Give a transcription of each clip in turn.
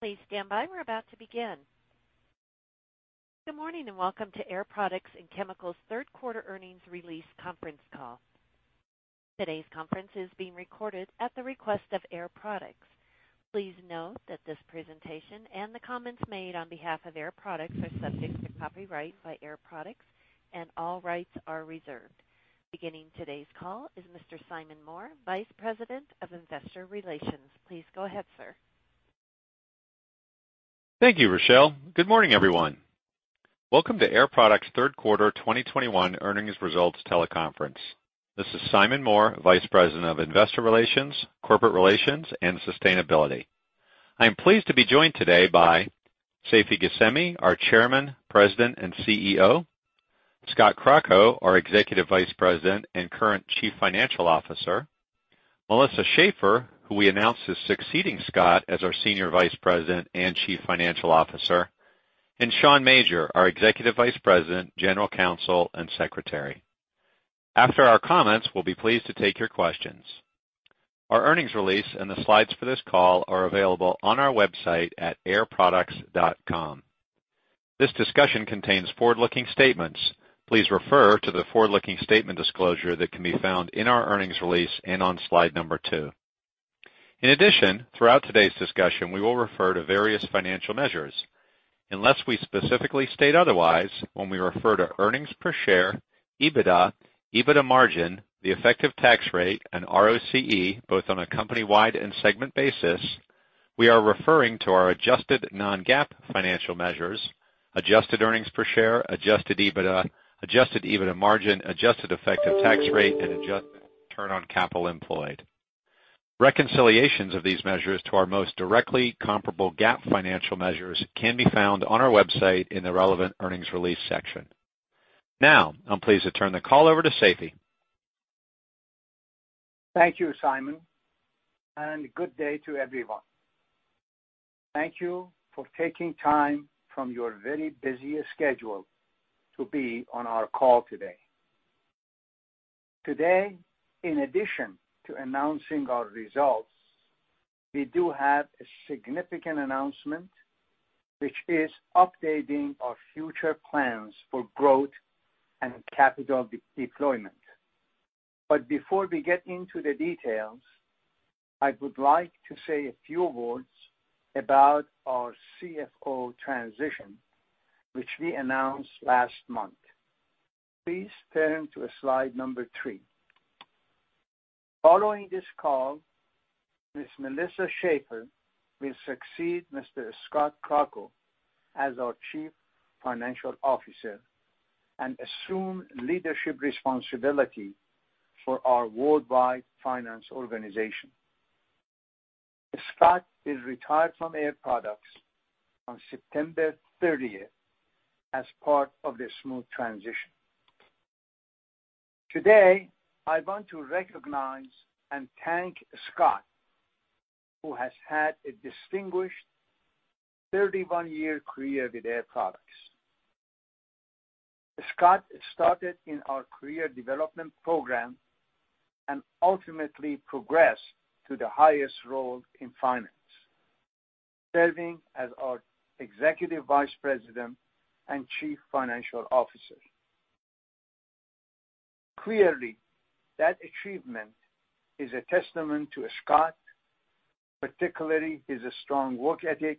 Good morning, and welcome to Air Products and Chemicals third quarter earnings release conference call. Today's conference is being recorded at the request of Air Products. Please note that this presentation and the comments made on behalf of Air Products are subject to copyright by Air Products, and all rights are reserved. Beginning today's call is Mr. Simon Moore, Vice President of Investor Relations. Please go ahead, sir. Thank you, Rochelle. Good morning, everyone. Welcome to Air Products third quarter 2021 earnings results teleconference. This is Simon Moore, Vice President of Investor Relations, Corporate Relations, and Sustainability. I am pleased to be joined today by Seifi Ghasemi, our Chairman, President, and CEO, Scott Crocco, our Executive Vice President and current Chief Financial Officer, Melissa Schaeffer, who we announced is succeeding Scott as our Senior Vice President and Chief Financial Officer, and Sean Major, our Executive Vice President, General Counsel, and Secretary. After our comments, we'll be pleased to take your questions. Our earnings release and the slides for this call are available on our website at airproducts.com. This discussion contains forward-looking statements. Please refer to the forward-looking statement disclosure that can be found in our earnings release and on slide number two. In addition, throughout today's discussion, we will refer to various financial measures. Unless we specifically state otherwise, when we refer to earnings per share, EBITDA margin, the effective tax rate, and ROCE, both on a company-wide and segment basis, we are referring to our adjusted non-GAAP financial measures, adjusted earnings per share, adjusted EBITDA, adjusted EBITDA margin, adjusted effective tax rate, and adjusted return on capital employed. Reconciliations of these measures to our most directly comparable GAAP financial measures can be found on our website in the relevant earnings release section. Now, I'm pleased to turn the call over to Seifi. Thank you, Simon, and good day to everyone. Thank you for taking time from your very busy schedule to be on our call today. Today, in addition to announcing our results, we do have a significant announcement, which is updating our future plans for growth and capital de-deployment. Before we get into the details, I would like to say a few words about our CFO transition, which we announced last month. Please turn to slide number three. Following this call, Ms. Melissa Schaeffer will succeed Mr. Scott Crocco as our Chief Financial Officer and assume leadership responsibility for our worldwide finance organization. Scott is retired from Air Products on September 30th as part of the smooth transition. Today, I want to recognize and thank Scott, who has had a distinguished 31-year career with Air Products. Scott started in our career development program and ultimately progressed to the highest role in finance, serving as our Executive Vice President and Chief Financial Officer. Clearly, that achievement is a testament to Scott, particularly his strong work ethic,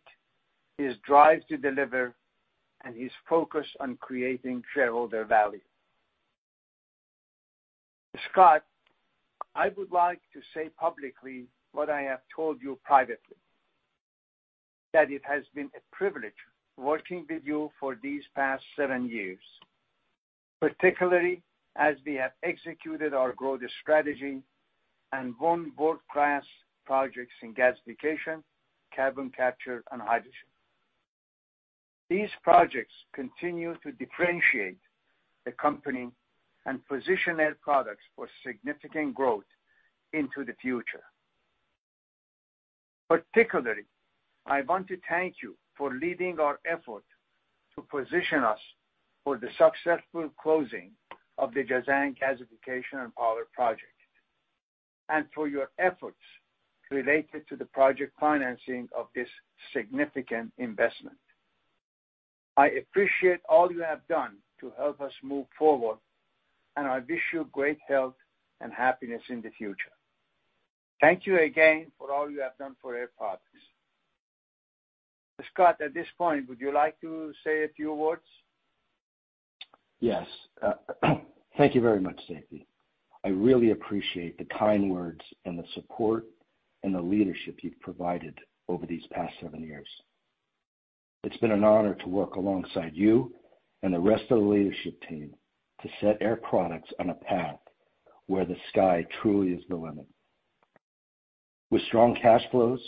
his drive to deliver, and his focus on creating shareholder value. Scott, I would like to say publicly what I have told you privately, that it has been a privilege working with you for these past seven years, particularly as we have executed our growth strategy and won world-class projects in gasification, carbon capture, and hydrogen. These projects continue to differentiate the company and position Air Products for significant growth into the future. Particularly, I want to thank you for leading our effort to position us for the successful closing of the Jazan gasification and power project and for your efforts related to the project financing of this significant investment. I appreciate all you have done to help us move forward. I wish you great health and happiness in the future. Thank you again for all you have done for Air Products. Scott, at this point, would you like to say a few words? Yes. Thank you very much, Seifi. I really appreciate the kind words and the support and the leadership you've provided over these past seven years. It's been an honor to work alongside you and the rest of the leadership team to set Air Products on a path where the sky truly is the limit. With strong cash flows,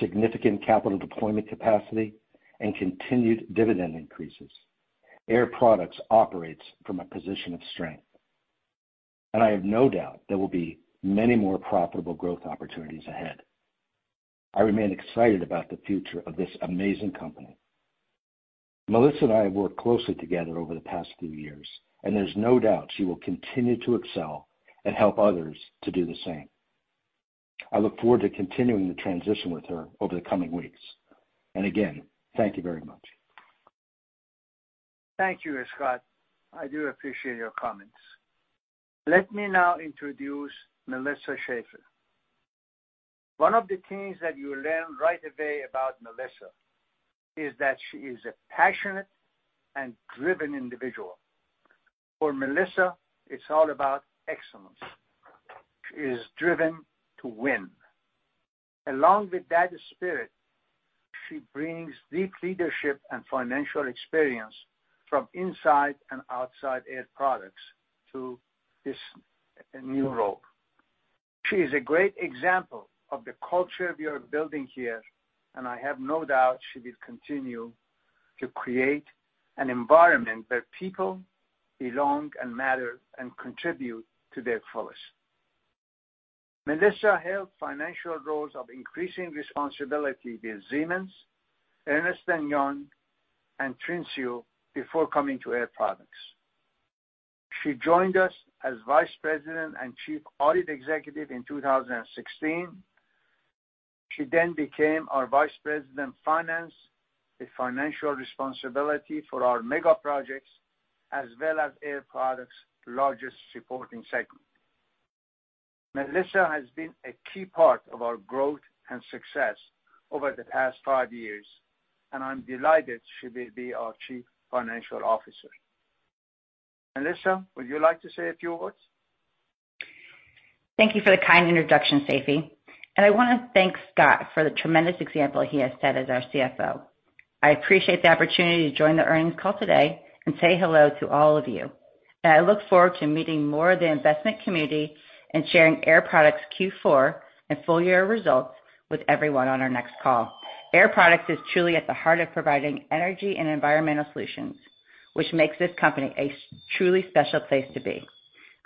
significant capital deployment capacity, and continued dividend increases, Air Products operates from a position of strength. I have no doubt there will be many more profitable growth opportunities ahead. I remain excited about the future of this amazing company. Melissa and I have worked closely together over the past few years. There's no doubt she will continue to excel and help others to do the same. I look forward to continuing the transition with her over the coming weeks. Again, thank you very much. Thank you, Scott. I do appreciate your comments. Let me now introduce Melissa Schaeffer. One of the things that you learn right away about Melissa is that she is a passionate and driven individual. For Melissa, it's all about excellence. She is driven to win. Along with that spirit, she brings deep leadership and financial experience from inside and outside Air Products to this new role. She is a great example of the culture we are building here, and I have no doubt she will continue to create an environment where people belong and matter and contribute to their fullest. Melissa held financial roles of increasing responsibility with Siemens, Ernst & Young, and Trinseo before coming to Air Products. She joined us as Vice President and Chief Audit Executive in 2016. She then became our Vice President, Finance, with financial responsibility for our mega projects as well as Air Products' largest supporting segment. Melissa Schaeffer has been a key part of our growth and success over the past five years, and I'm delighted she will be our Chief Financial Officer. Melissa Schaeffer, would you like to say a few words? Thank you for the kind introduction, Seifi Ghasemi. I wanna thank Scott Crocco for the tremendous example he has set as our CFO. I appreciate the opportunity to join the earnings call today and say hello to all of you. I look forward to meeting more of the investment community and sharing Air Products' Q4 and full-year results with everyone on our next call. Air Products is truly at the heart of providing energy and environmental solutions, which makes this company a truly special place to be.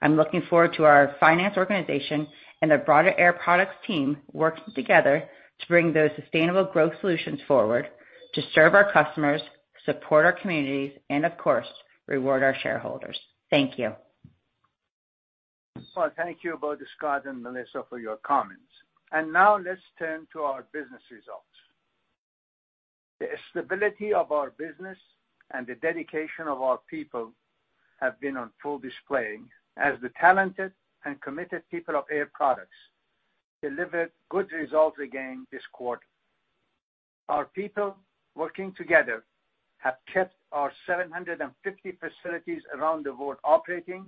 I'm looking forward to our finance organization and the broader Air Products team working together to bring those sustainable growth solutions forward to serve our customers, support our communities, and of course, reward our shareholders. Thank you. Well, thank you both, Scott and Melissa, for your comments. Now let's turn to our business results. The stability of our business and the dedication of our people have been on full display as the talented and committed people of Air Products delivered good results again this quarter. Our people working together have kept our 750 facilities around the world operating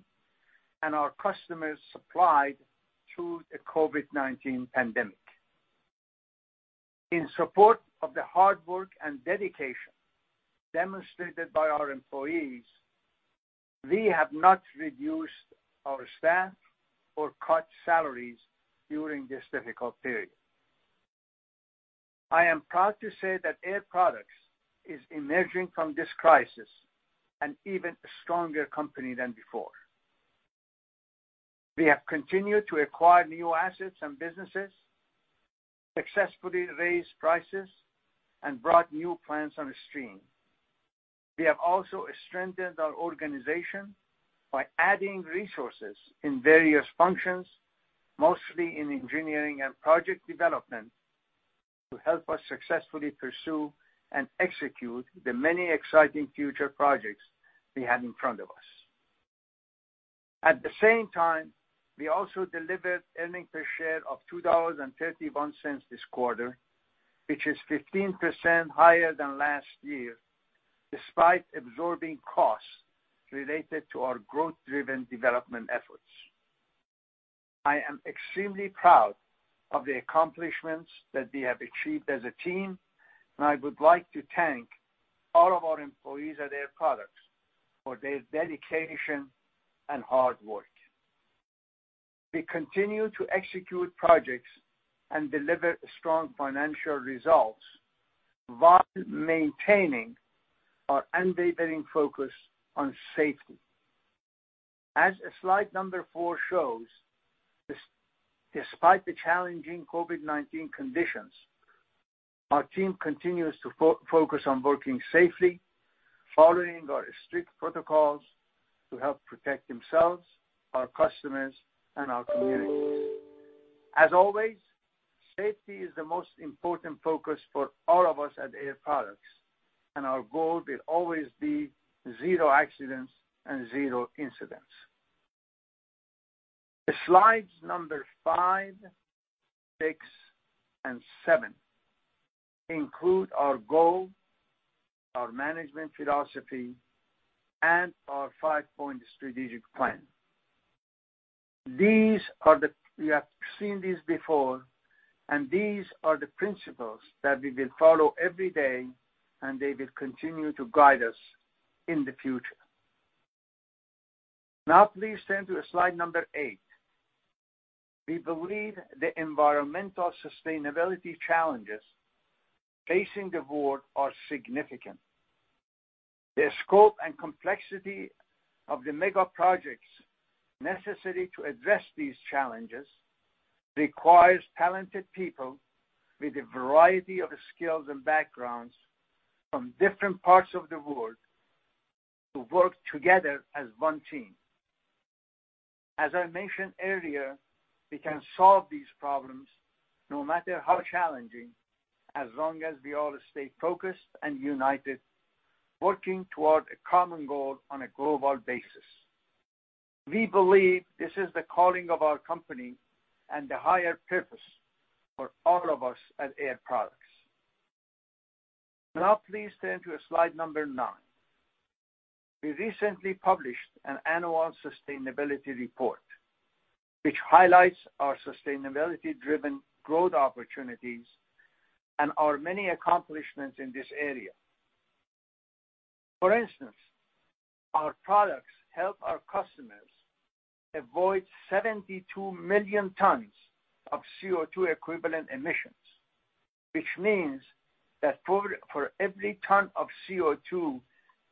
and our customers supplied through the COVID-19 pandemic. In support of the hard work and dedication demonstrated by our employees, we have not reduced our staff or cut salaries during this difficult period. I am proud to say that Air Products is emerging from this crisis an even stronger company than before. We have continued to acquire new assets and businesses, successfully raised prices, and brought new plants on stream. We have also strengthened our organization by adding resources in various functions, mostly in engineering and project development, to help us successfully pursue and execute the many exciting future projects we have in front of us. At the same time, we also delivered earnings per share of $2.31 this quarter, which is 15% higher than last year, despite absorbing costs related to our growth-driven development efforts. I am extremely proud of the accomplishments that we have achieved as a team, and I would like to thank all of our employees at Air Products for their dedication and hard work. We continue to execute projects and deliver strong financial results while maintaining our unwavering focus on safety. As slide number four shows, despite the challenging COVID-19 conditions, our team continues to focus on working safely, following our strict protocols to help protect themselves, our customers, and our communities. As always, safety is the most important focus for all of us at Air Products, and our goal will always be zero accidents and zero incidents. The slides number five, six, and seven include our goal, our management philosophy, and our five point strategic plan. You have seen these before, and these are the principles that we will follow every day, and they will continue to guide us in the future. Now please turn to slide number eight. We believe the environmental sustainability challenges facing the world are significant. The scope and complexity of the mega projects necessary to address these challenges requires talented people with a variety of skills and backgrounds from different parts of the world to work together as one team. As I mentioned earlier, we can solve these problems no matter how challenging, as long as we all stay focused and united, working toward a common goal on a global basis. We believe this is the calling of our company and the higher purpose for all of us at Air Products. Now please turn to slide number nine. We recently published an annual sustainability report, which highlights our sustainability-driven growth opportunities and our many accomplishments in this area. For instance, Air Products help our customers avoid 72 million tons of CO2 equivalent emissions, which means that for every ton of CO2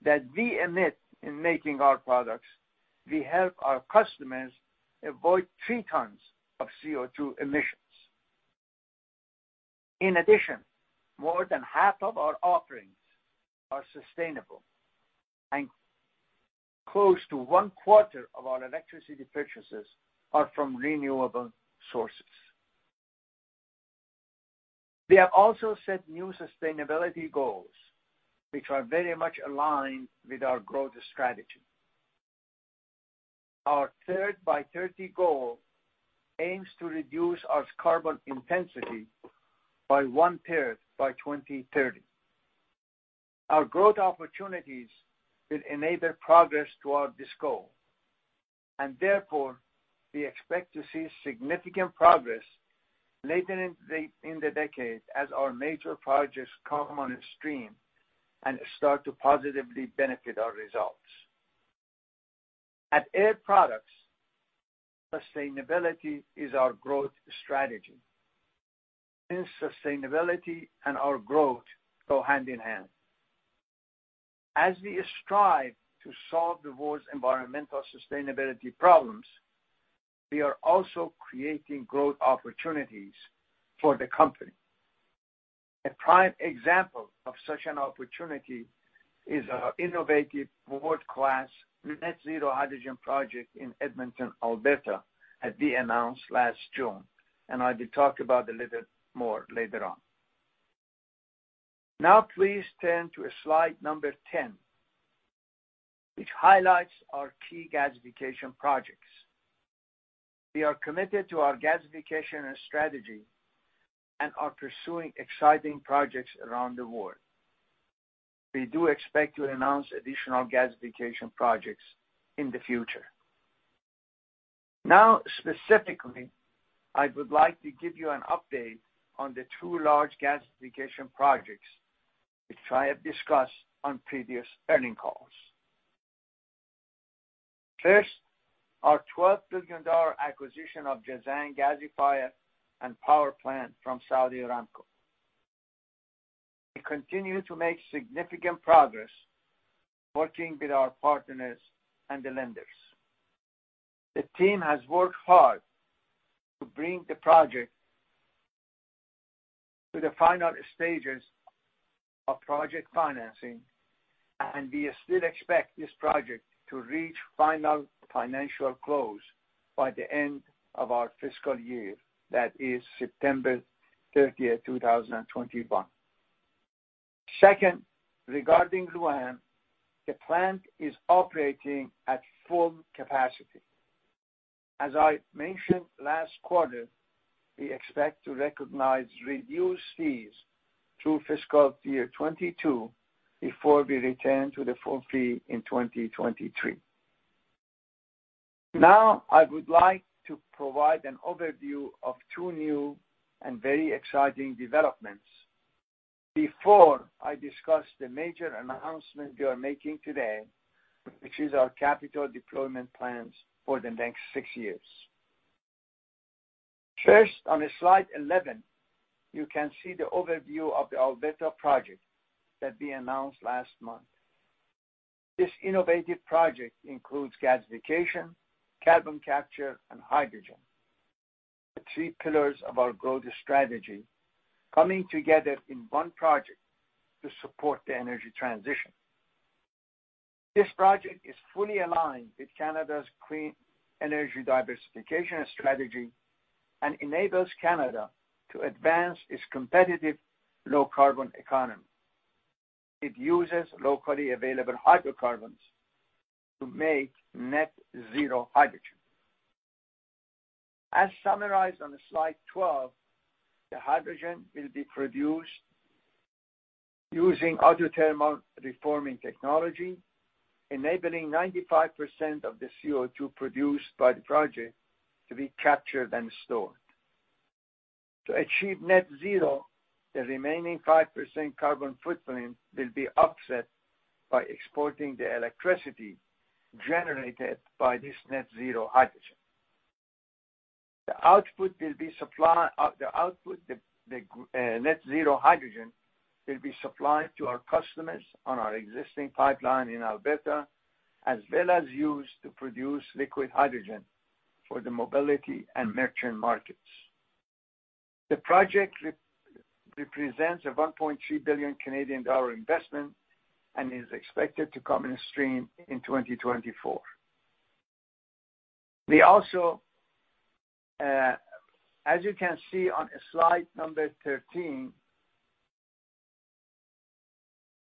that we emit in making Air Products, we help our customers avoid three tons of CO2 emissions. In addition, more than half of our offerings are sustainable, and close to one-quarter of our electricity purchases are from renewable sources. We have also set new sustainability goals, which are very much aligned with our growth strategy. Our third by 2030 goal aims to reduce our carbon intensity by one-third by 2030. Our growth opportunities will enable progress toward this goal, and therefore we expect to see significant progress later in the decade as our major projects come on stream and start to positively benefit our results. At Air Products, sustainability is our growth strategy. Sustainability and our growth go hand in hand. As we strive to solve the world's environmental sustainability problems, we are also creating growth opportunities for the company. A prime example of such an opportunity is our innovative world-class net zero hydrogen project in Edmonton, Alberta, that we announced last June, and I will talk about a little more later on. Please turn to slide number 10, which highlights our key gasification projects. We are committed to our gasification strategy and are pursuing exciting projects around the world. We do expect to announce additional gasification projects in the future. Specifically, I would like to give you an update on the two large gasification projects, which I have discussed on previous earning calls. First, our $12 billion acquisition of Jazan gasifier and power plant from Saudi Aramco. We continue to make significant progress working with our partners and the lenders. The team has worked hard to bring the project to the final stages of project financing, and we still expect this project to reach final financial close by the end of our fiscal year, that is September 30, 2021. Second, regarding Lu'An, the plant is operating at full capacity. As I mentioned last quarter, we expect to recognize reduced fees through FY 2022 before we return to the full fee in 2023. Now, I would like to provide an overview of two new and very exciting developments before I discuss the major announcement we are making today, which is our capital deployment plans for the next six years. First, on slide 11, you can see the overview of the Alberta project that we announced last month. This innovative project includes gasification, carbon capture, and hydrogen. The three pillars of our growth strategy coming together in one project to support the energy transition. This project is fully aligned with Canada's clean energy diversification strategy and enables Canada to advance its competitive low carbon economy. It uses locally available hydrocarbons to make net zero hydrogen. As summarized on slide 12, the hydrogen will be produced using autothermal reforming technology, enabling 95% of the CO2 produced by the project to be captured and stored. To achieve net zero, the remaining 5% carbon footprint will be offset by exporting the electricity generated by this net zero hydrogen. The output, the net zero hydrogen will be supplied to our customers on our existing pipeline in Alberta. As well as used to produce liquid hydrogen for the mobility and merchant markets. The project represents a 1.3 billion Canadian dollar investment and is expected to come in stream in 2024. We also, as you can see on slide number 13,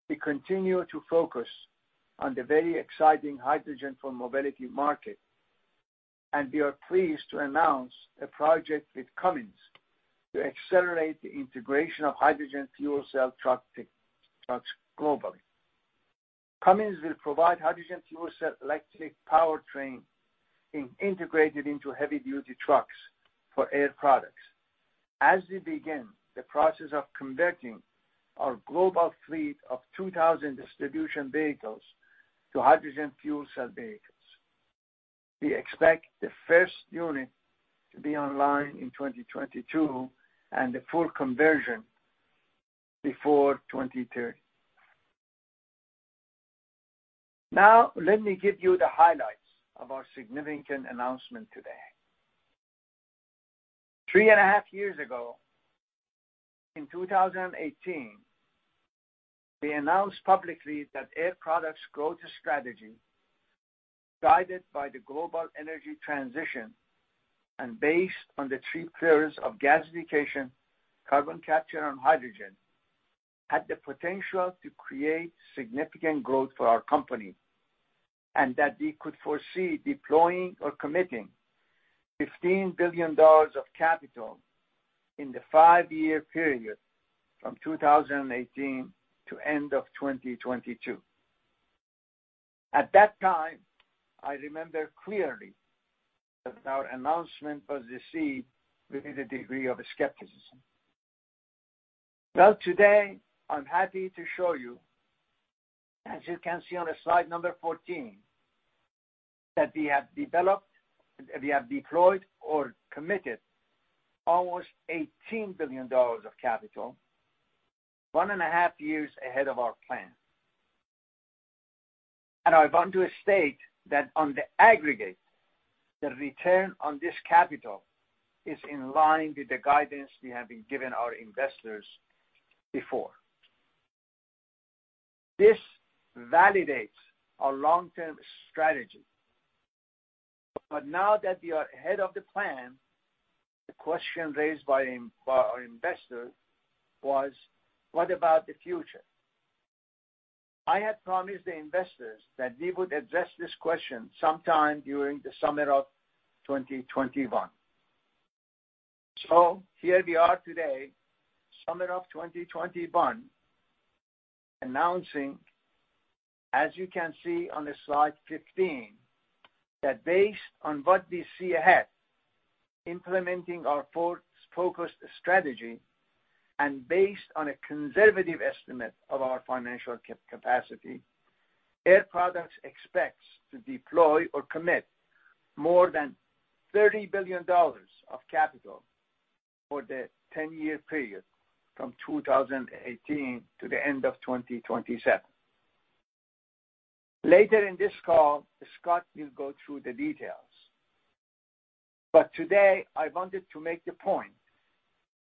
we continue to focus on the very exciting hydrogen for mobility market, and we are pleased to announce a project with Cummins to accelerate the integration of hydrogen fuel cell trucks globally. Cummins will provide hydrogen fuel cell electric powertrain in integrated into heavy-duty trucks for Air Products as we begin the process of converting our global fleet of 2,000 distribution vehicles to hydrogen fuel cell vehicles. We expect the first unit to be online in 2022 and the full conversion before 2030. Let me give you the highlights of our significant announcement today. Three and a half years ago, in 2018, we announced publicly that Air Products growth strategy, guided by the global energy transition and based on the three pillars of gasification, carbon capture, and hydrogen, had the potential to create significant growth for our company. That we could foresee deploying or committing $15 billion of capital in the five year period from 2018 to end of 2022. At that time, I remember clearly that our announcement was received with a degree of skepticism. Well, today, I'm happy to show you, as you can see on slide number 14, that we have deployed or committed almost $18 billion of capital, 1 and a half years ahead of our plan. I want to state that on the aggregate, the return on this capital is in line with the guidance we have been giving our investors before. This validates our long-term strategy. Now that we are ahead of the plan, the question raised by our investors was, "What about the future?" I had promised the investors that we would address this question sometime during the summer of 2021. Here we are today, summer of 2021, announcing, as you can see on slide 15, that based on what we see ahead, implementing our four focused strategy and based on a conservative estimate of our financial capacity, Air Products expects to deploy or commit more than $30 billion of capital for the 10-year period from 2018 to the end of 2027. Later in this call, Scott Crocco will go through the details. Today, I wanted to make the point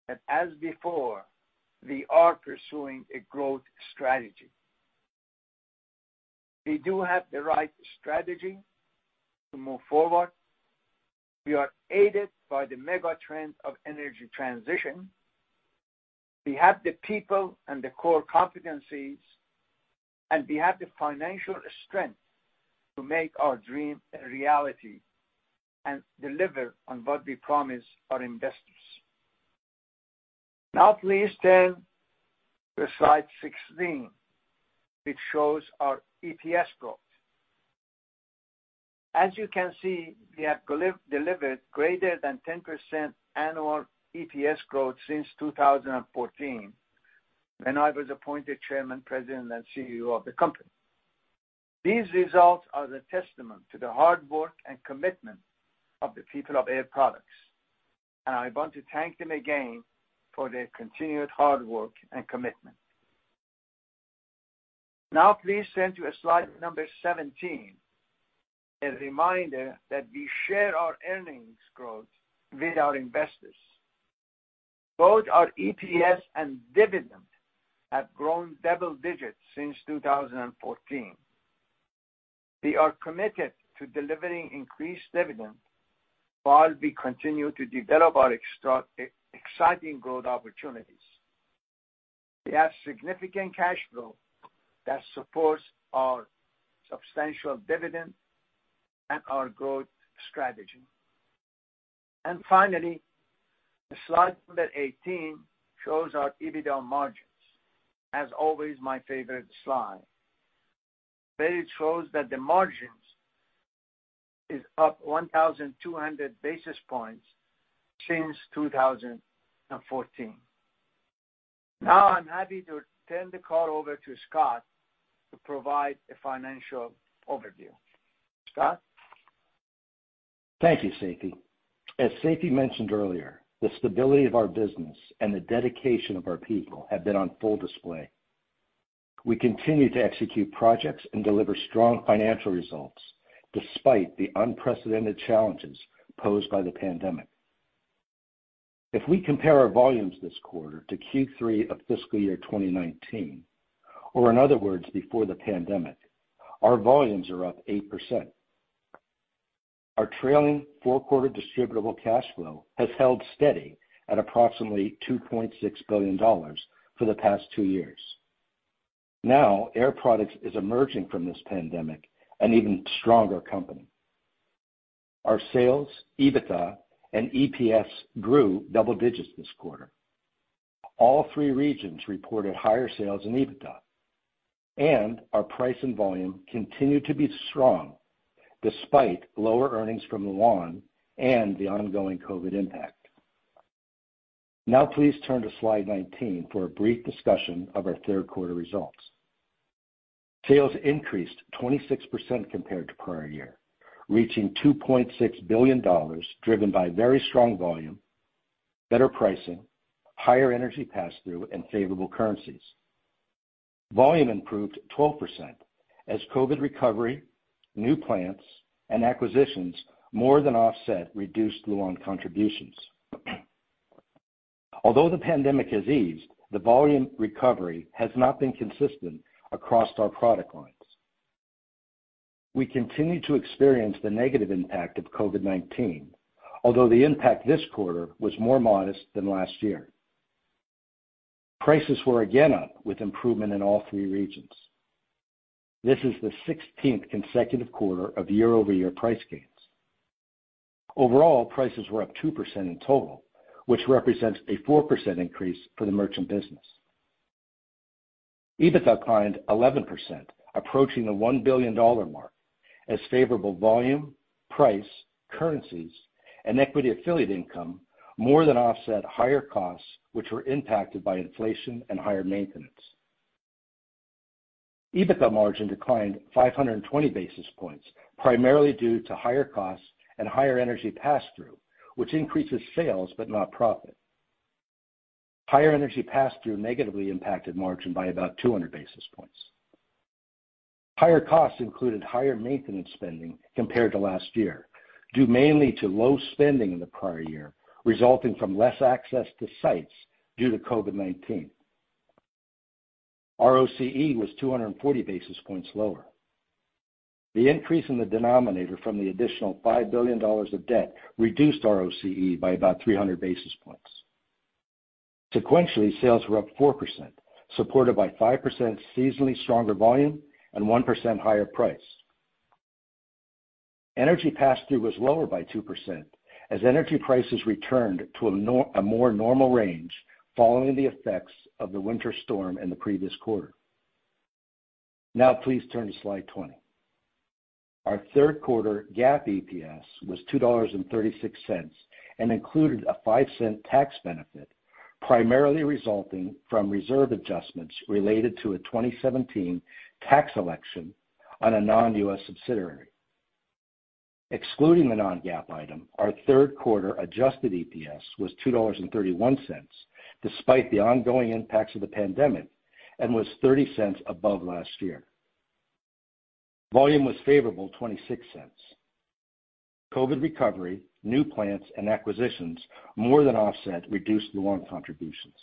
that, as before, we are pursuing a growth strategy. We do have the right strategy to move forward. We are aided by the mega trend of energy transition. We have the people and the core competencies, and we have the financial strength to make our dream a reality and deliver on what we promised our investors. Now please turn to slide 16, which shows our EPS growth. As you can see, we have delivered greater than 10% annual EPS growth since 2014 when I was appointed Chairman, President, and CEO of the company. These results are the testament to the hard work and commitment of the people of Air Products, and I want to thank them again for their continued hard work and commitment. Please turn to slide number 17, a reminder that we share our earnings growth with our investors. Both our EPS and dividend have grown double digits since 2014. We are committed to delivering increased dividend while we continue to develop our exciting growth opportunities. We have significant cash flow that supports our substantial dividend and our growth strategy. Finally, slide number 18 shows our EBITDA margins. As always, my favorite slide. There it shows that the margins is up 1,200 basis points since 2014. Now I'm happy to turn the call over to Scott to provide a financial overview. Scott? Thank you, Seifi. As Seifi mentioned earlier, the stability of our business and the dedication of our people have been on full display. We continue to execute projects and deliver strong financial results despite the unprecedented challenges posed by the pandemic. If we compare our volumes this quarter to Q3 of fiscal year 2019, or in other words, before the pandemic, our volumes are up 8%. Our trailing four-quarter distributable cash flow has held steady at approximately $2.6 billion for the past two years. Air Products is emerging from this pandemic an even stronger company. Our sales, EBITDA and EPS grew double digits this quarter. All three regions reported higher sales in EBITDA, and our price and volume continued to be strong despite lower earnings from Lu'An and the ongoing COVID-19 impact. Now please turn to slide 19 for a brief discussion of our third quarter results. Sales increased 26% compared to prior year, reaching $2.6 billion, driven by very strong volume, better pricing, higher energy passthrough, and favorable currencies. Volume improved 12% as COVID-19 recovery, new plants, and acquisitions more than offset reduced Lu'An contributions. Although the pandemic has eased, the volume recovery has not been consistent across our product lines. We continue to experience the negative impact of COVID-19, although the impact this quarter was more modest than last year. Prices were again up, with improvement in all three regions. This is the 16th consecutive quarter of year-over-year price gains. Overall, prices were up 2% in total, which represents a 4% increase for the merchant business. EBITDA climbed 11%, approaching the $1 billion mark, as favorable volume, price, currencies, and equity affiliate income more than offset higher costs, which were impacted by inflation and higher maintenance. EBITDA margin declined 520 basis points, primarily due to higher costs and higher energy passthrough, which increases sales but not profit. Higher energy passthrough negatively impacted margin by about 200 basis points. Higher costs included higher maintenance spending compared to last year, due mainly to low spending in the prior year, resulting from less access to sites due to COVID-19. ROCE was 240 basis points lower. The increase in the denominator from the additional $5 billion of debt reduced ROCE by about 300 basis points. Sequentially, sales were up 4%, supported by 5% seasonally stronger volume and 1% higher price. Energy passthrough was lower by 2% as energy prices returned to a more normal range following the effects of the winter storm in the previous quarter. Please turn to slide 20. Our third quarter GAAP EPS was $2.36 and included a $0.05 tax benefit, primarily resulting from reserve adjustments related to a 2017 tax election on a non-U.S. subsidiary. Excluding the non-GAAP item, our third quarter adjusted EPS was $2.31 despite the ongoing impacts of the pandemic and was $0.30 above last year. Volume was favorable $0.26. COVID-19 recovery, new plants, and acquisitions more than offset reduced Lu'An contributions.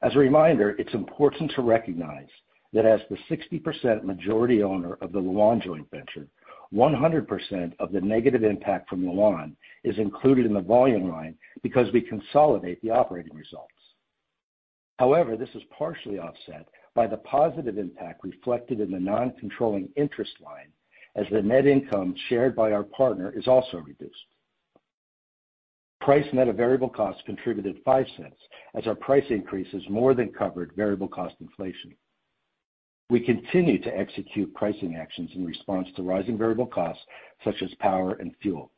As a reminder, it's important to recognize that as the 60% majority owner of the Lu'An joint venture, 100% of the negative impact from Lu'An is included in the volume line because we consolidate the operating results. This is partially offset by the positive impact reflected in the non-controlling interest line, as the net income shared by our partner is also reduced. Price net of variable costs contributed $0.05, as our price increases more than covered variable cost inflation. We continue to execute pricing actions in response to rising variable costs such as power and fuel.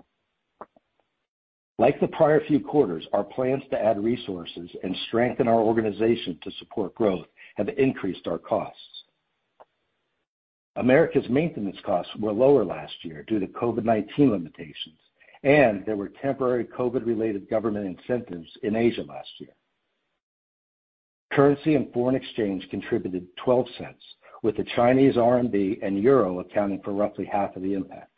Like the prior few quarters, our plans to add resources and strengthen our organization to support growth have increased our costs. Americas maintenance costs were lower last year due to COVID-19 limitations, and there were temporary COVID-related government incentives in Asia last year. Currency and foreign exchange contributed $0.12, with the Chinese CNY and EUR accounting for roughly half of the impact.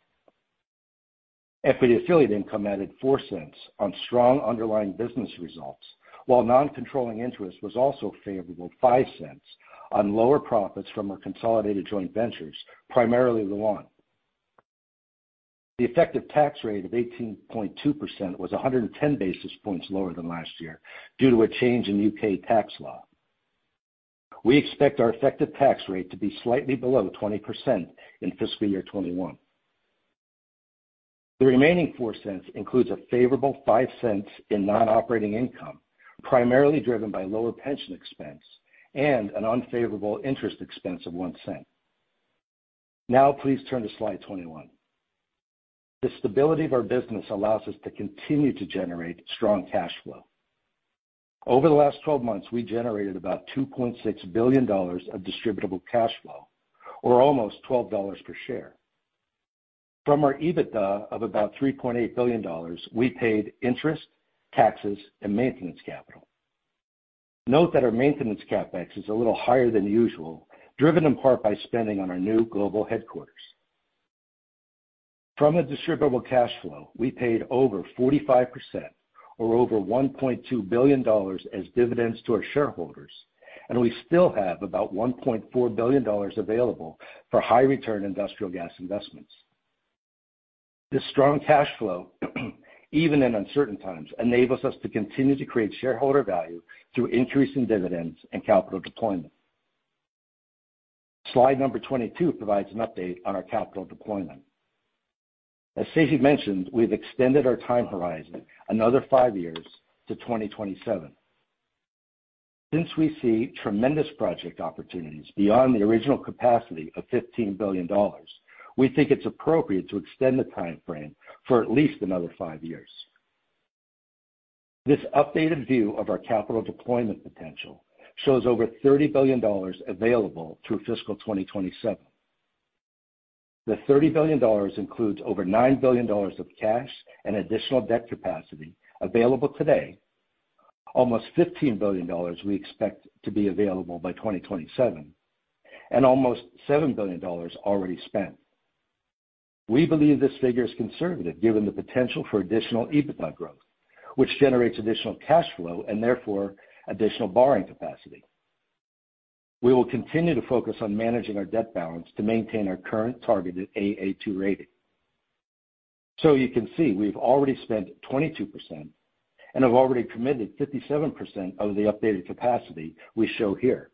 Equity affiliate income added $0.04 on strong underlying business results, while non-controlling interest was also favorable $0.05 on lower profits from our consolidated joint ventures, primarily Lu'An. The effective tax rate of 18.2% was 110 basis points lower than last year due to a change in U.K. tax law. We expect our effective tax rate to be slightly below 20% in fiscal year 2021. The remaining $0.04 includes a favorable $0.05 in non-operating income, primarily driven by lower pension expense and an unfavorable interest expense of $0.01. Now please turn to slide 21. The stability of our business allows us to continue to generate strong cash flow. Over the last 12 months, we generated about $2.6 billion of distributable cash flow, or almost $12 per share. From our EBITDA of about $3.8 billion, we paid interest, taxes, and maintenance capital. Note that our maintenance CapEx is a little higher than usual, driven in part by spending on our new global headquarters. From a distributable cash flow, we paid over 45% or over $1.2 billion as dividends to our shareholders, and we still have about $1.4 billion available for high return industrial gas investments. The strong cash flow, even in uncertain times, enables us to continue to create shareholder value through increase in dividends and capital deployment. Slide number 22 provides an update on our capital deployment. As Seifi mentioned, we've extended our time horizon another five years to 2027. Since we see tremendous project opportunities beyond the original capacity of $15 billion, we think it's appropriate to extend the timeframe for at least another five years. This updated view of our capital deployment potential shows over $30 billion available through fiscal 2027. The $30 billion includes over $9 billion of cash and additional debt capacity available today, almost $15 billion we expect to be available by 2027, and almost $7 billion already spent. We believe this figure is conservative given the potential for additional EBITDA growth, which generates additional cash flow and therefore additional borrowing capacity. We will continue to focus on managing our debt balance to maintain our current targeted Aa2 rating. You can see we've already spent 22% and have already committed 57% of the updated capacity we show here.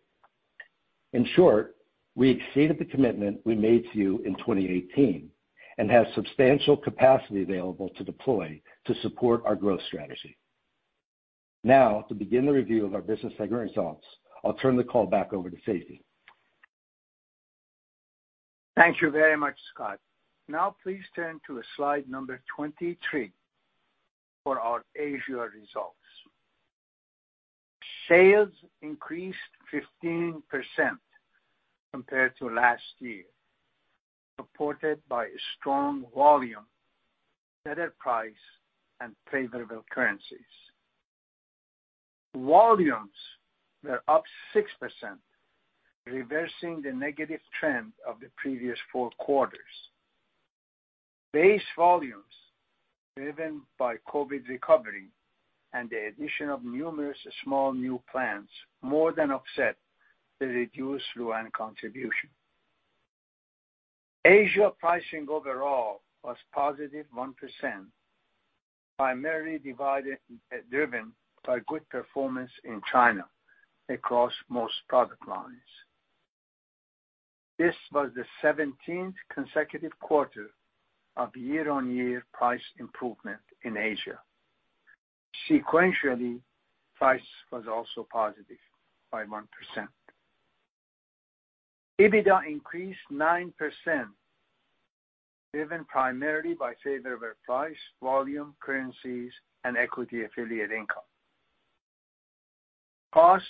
In short, we exceeded the commitment we made to you in 2018 and have substantial capacity available to deploy to support our growth strategy. To begin the review of our business segment results, I'll turn the call back over to Seifi Ghasemi. Thank you very much, Scott. Now please turn to slide number 23 for our Asia results. Sales increased 15% compared to last year, supported by strong volume, better price, and favorable currencies. Volumes were up 6%, reversing the negative trend of the previous four quarters. Base volumes, driven by COVID recovery and the addition of numerous small new plants, more than offset the reduced Lu'An contribution. Asia pricing overall was positive 1%, primarily driven by good performance in China across most product lines. This was the 17th consecutive quarter of year-on-year price improvement in Asia. Sequentially, price was also positive by 1%. EBITDA increased 9%, driven primarily by favorable price, volume, currencies, and equity affiliate income. Costs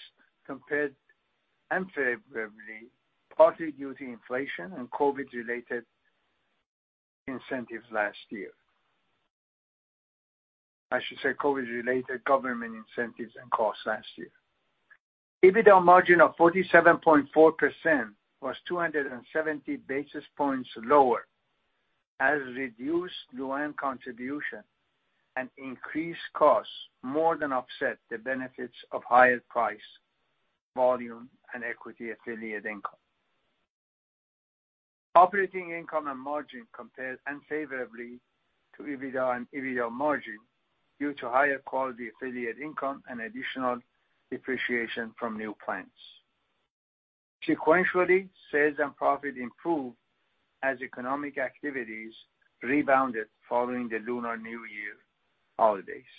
compared unfavorably, partly due to inflation and COVID-related incentives last year. I should say COVID-related government incentives and costs last year. EBITDA margin of 47.4% was 270 basis points lower as reduced Lu'An contribution and increased costs more than offset the benefits of higher price, volume, and equity affiliate income. Operating income and margin compared unfavorably to EBITDA and EBITDA margin due to higher equity affiliate income and additional depreciation from new plants. Sequentially, sales and profit improved as economic activities rebounded following the Lunar New Year holidays.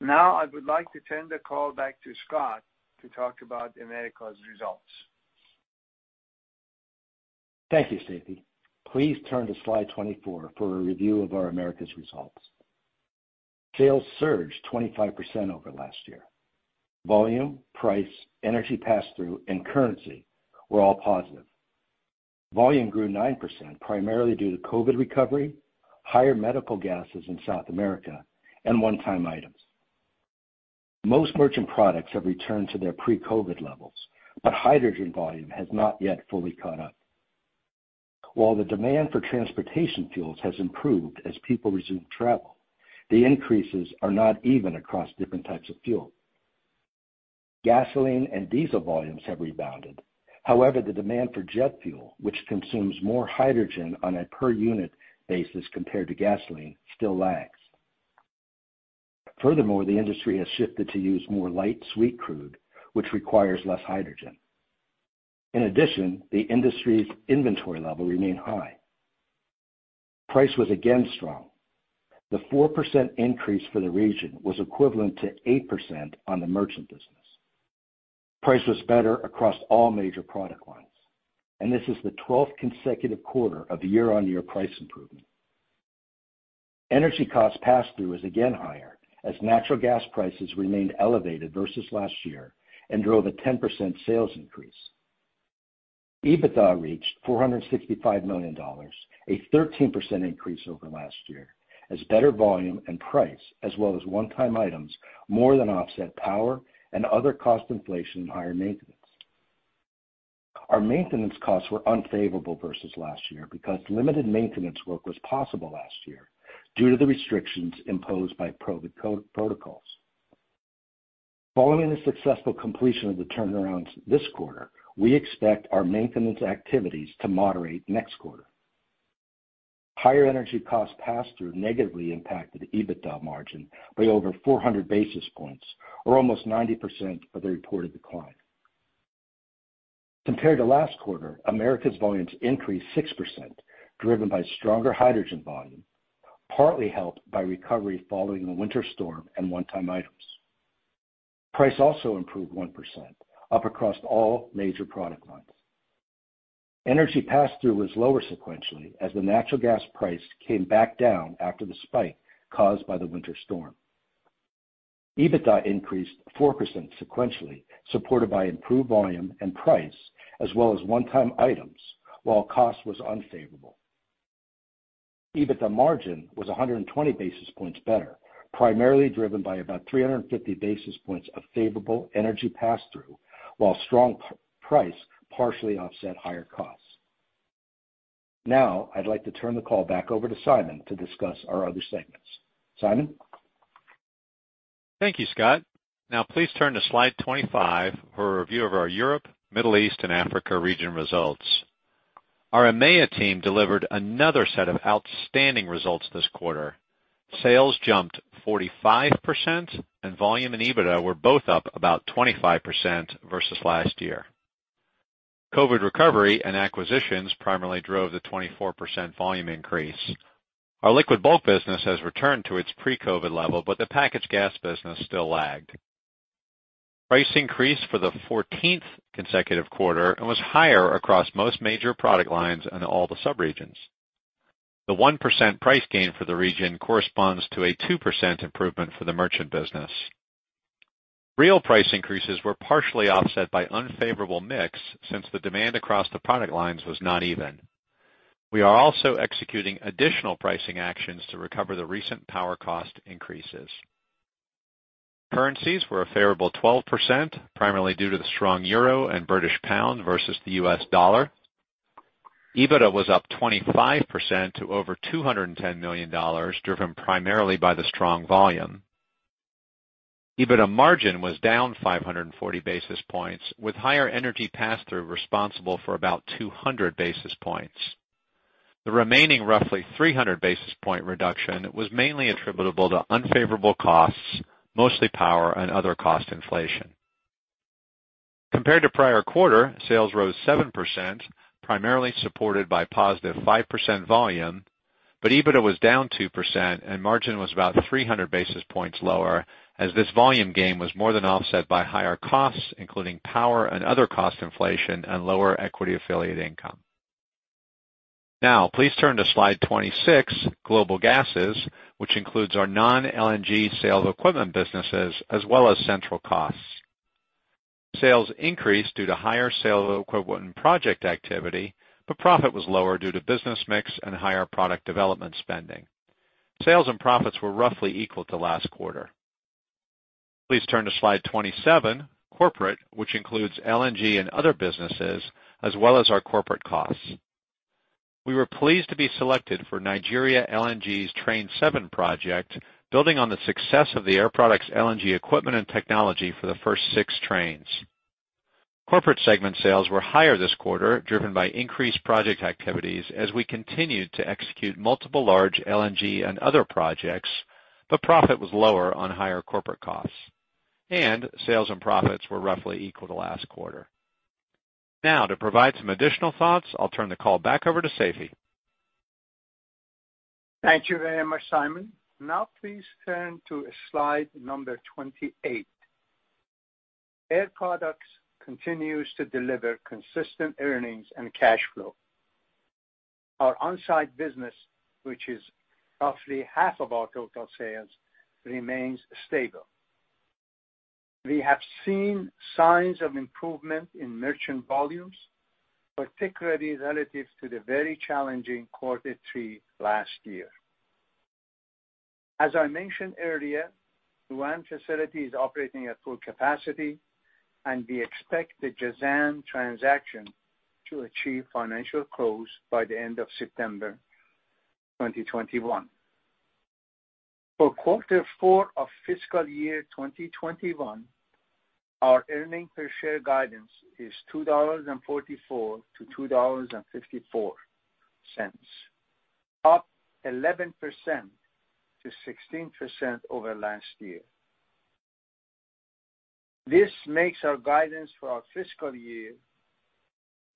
Now, I would like to turn the call back to Scott to talk about America's results. Thank you, Seifi. Please turn to slide 24 for a review of our America's results. Sales surged 25% over last year. Volume, price, energy pass-through, and currency were all positive. Volume grew 9%, primarily due to COVID recovery, higher medical gases in South America, and one-time items. Most merchant products have returned to their pre-COVID levels, but hydrogen volume has not yet fully caught up. While the demand for transportation fuels has improved as people resume travel, the increases are not even across different types of fuel. Gasoline and diesel volumes have rebounded. The demand for jet fuel, which consumes more hydrogen on a per unit basis compared to gasoline, still lags. The industry has shifted to use more light, sweet crude, which requires less hydrogen. The industry's inventory level remain high. Price was again strong. The 4% increase for the region was equivalent to 8% on the merchant business. Price was better across all major product lines, and this is the 12th consecutive quarter of year-on-year price improvement. Energy cost passthrough is again higher as natural gas prices remained elevated versus last year and drove a 10% sales increase. EBITDA reached $465 million, a 13% increase over last year, as better volume and price as well as one-time items more than offset power and other cost inflation and higher maintenance. Our maintenance costs were unfavorable versus last year because limited maintenance work was possible last year due to the restrictions imposed by COVID-19 protocols. Following the successful completion of the turnarounds this quarter, we expect our maintenance activities to moderate next quarter. Higher energy cost passthrough negatively impacted EBITDA margin by over 400 basis points or almost 90% of the reported decline. Compared to last quarter, Americas volumes increased 6%, driven by stronger hydrogen volume, partly helped by recovery following the winter storm and one-time items. Price also improved 1%, up across all major product lines. Energy passthrough was lower sequentially as the natural gas price came back down after the spike caused by the winter storm. EBITDA increased 4% sequentially, supported by improved volume and price as well as one-time items, while cost was unfavorable. EBITDA margin was 120 basis points better, primarily driven by about 350 basis points of favorable energy passthrough, while strong p-price partially offset higher costs. Now, I'd like to turn the call back over to Simon to discuss our other segments. Simon? Thank you, Scott. Now please turn to slide 25 for a review of our Europe, Middle East, and Africa region results. Our EMEA team delivered another set of outstanding results this quarter. Sales jumped 45%, and volume and EBITDA were both up about 25% versus last year. COVID recovery and acquisitions primarily drove the 24% volume increase. Our liquid bulk business has returned to its pre-COVID level, but the packaged gas business still lagged. Price increase for the 14th consecutive quarter and was higher across most major product lines in all the subregions. The 1% price gain for the region corresponds to a 2% improvement for the merchant business. Real price increases were partially offset by unfavorable mix since the demand across the product lines was not even. We are also executing additional pricing actions to recover the recent power cost increases. Currencies were a favorable 12%, primarily due to the strong EUR and GBP versus the U.S. dollar. EBITDA was up 25% to over $210 million, driven primarily by the strong volume. EBITDA margin was down 540 basis points, with higher energy passthrough responsible for about 200 basis points. The remaining roughly 300 basis point reduction was mainly attributable to unfavorable costs, mostly power and other cost inflation. Compared to prior quarter, sales rose 7%, primarily supported by positive 5% volume, but EBITDA was down 2% and margin was about 300 basis points lower as this volume gain was more than offset by higher costs, including power and other cost inflation and lower equity affiliate income. Please turn to slide 26, Global Gases, which includes our non-LNG sale equipment businesses as well as central costs. Sales increased due to higher sale of equivalent project activity, but profit was lower due to business mix and higher product development spending. Sales and profits were roughly equal to last quarter. Please turn to slide 27, Corporate, which includes LNG and other businesses, as well as our corporate costs. We were pleased to be selected for Nigeria LNG's Train 7 project, building on the success of the Air Products LNG equipment and technology for the first six trains. Corporate segment sales were higher this quarter, driven by increased project activities as we continued to execute multiple large LNG and other projects, but profit was lower on higher corporate costs. Sales and profits were roughly equal to last quarter. Now, to provide some additional thoughts, I'll turn the call back over to Seifi. Thank you very much, Simon. Now please turn to slide number 28. Air Products continues to deliver consistent earnings and cash flow. Our on-site business, which is roughly half of our total sales, remains stable. We have seen signs of improvement in merchant volumes, particularly relative to the very challenging quarter three last year. As I mentioned earlier, Ruwais facility is operating at full capacity, and we expect the Jazan transaction to achieve financial close by the end of September 2021. For quarter four of fiscal year 2021, our earning per share guidance is $2.44-$2.54, up 11%-16% over last year. This makes our guidance for our fiscal year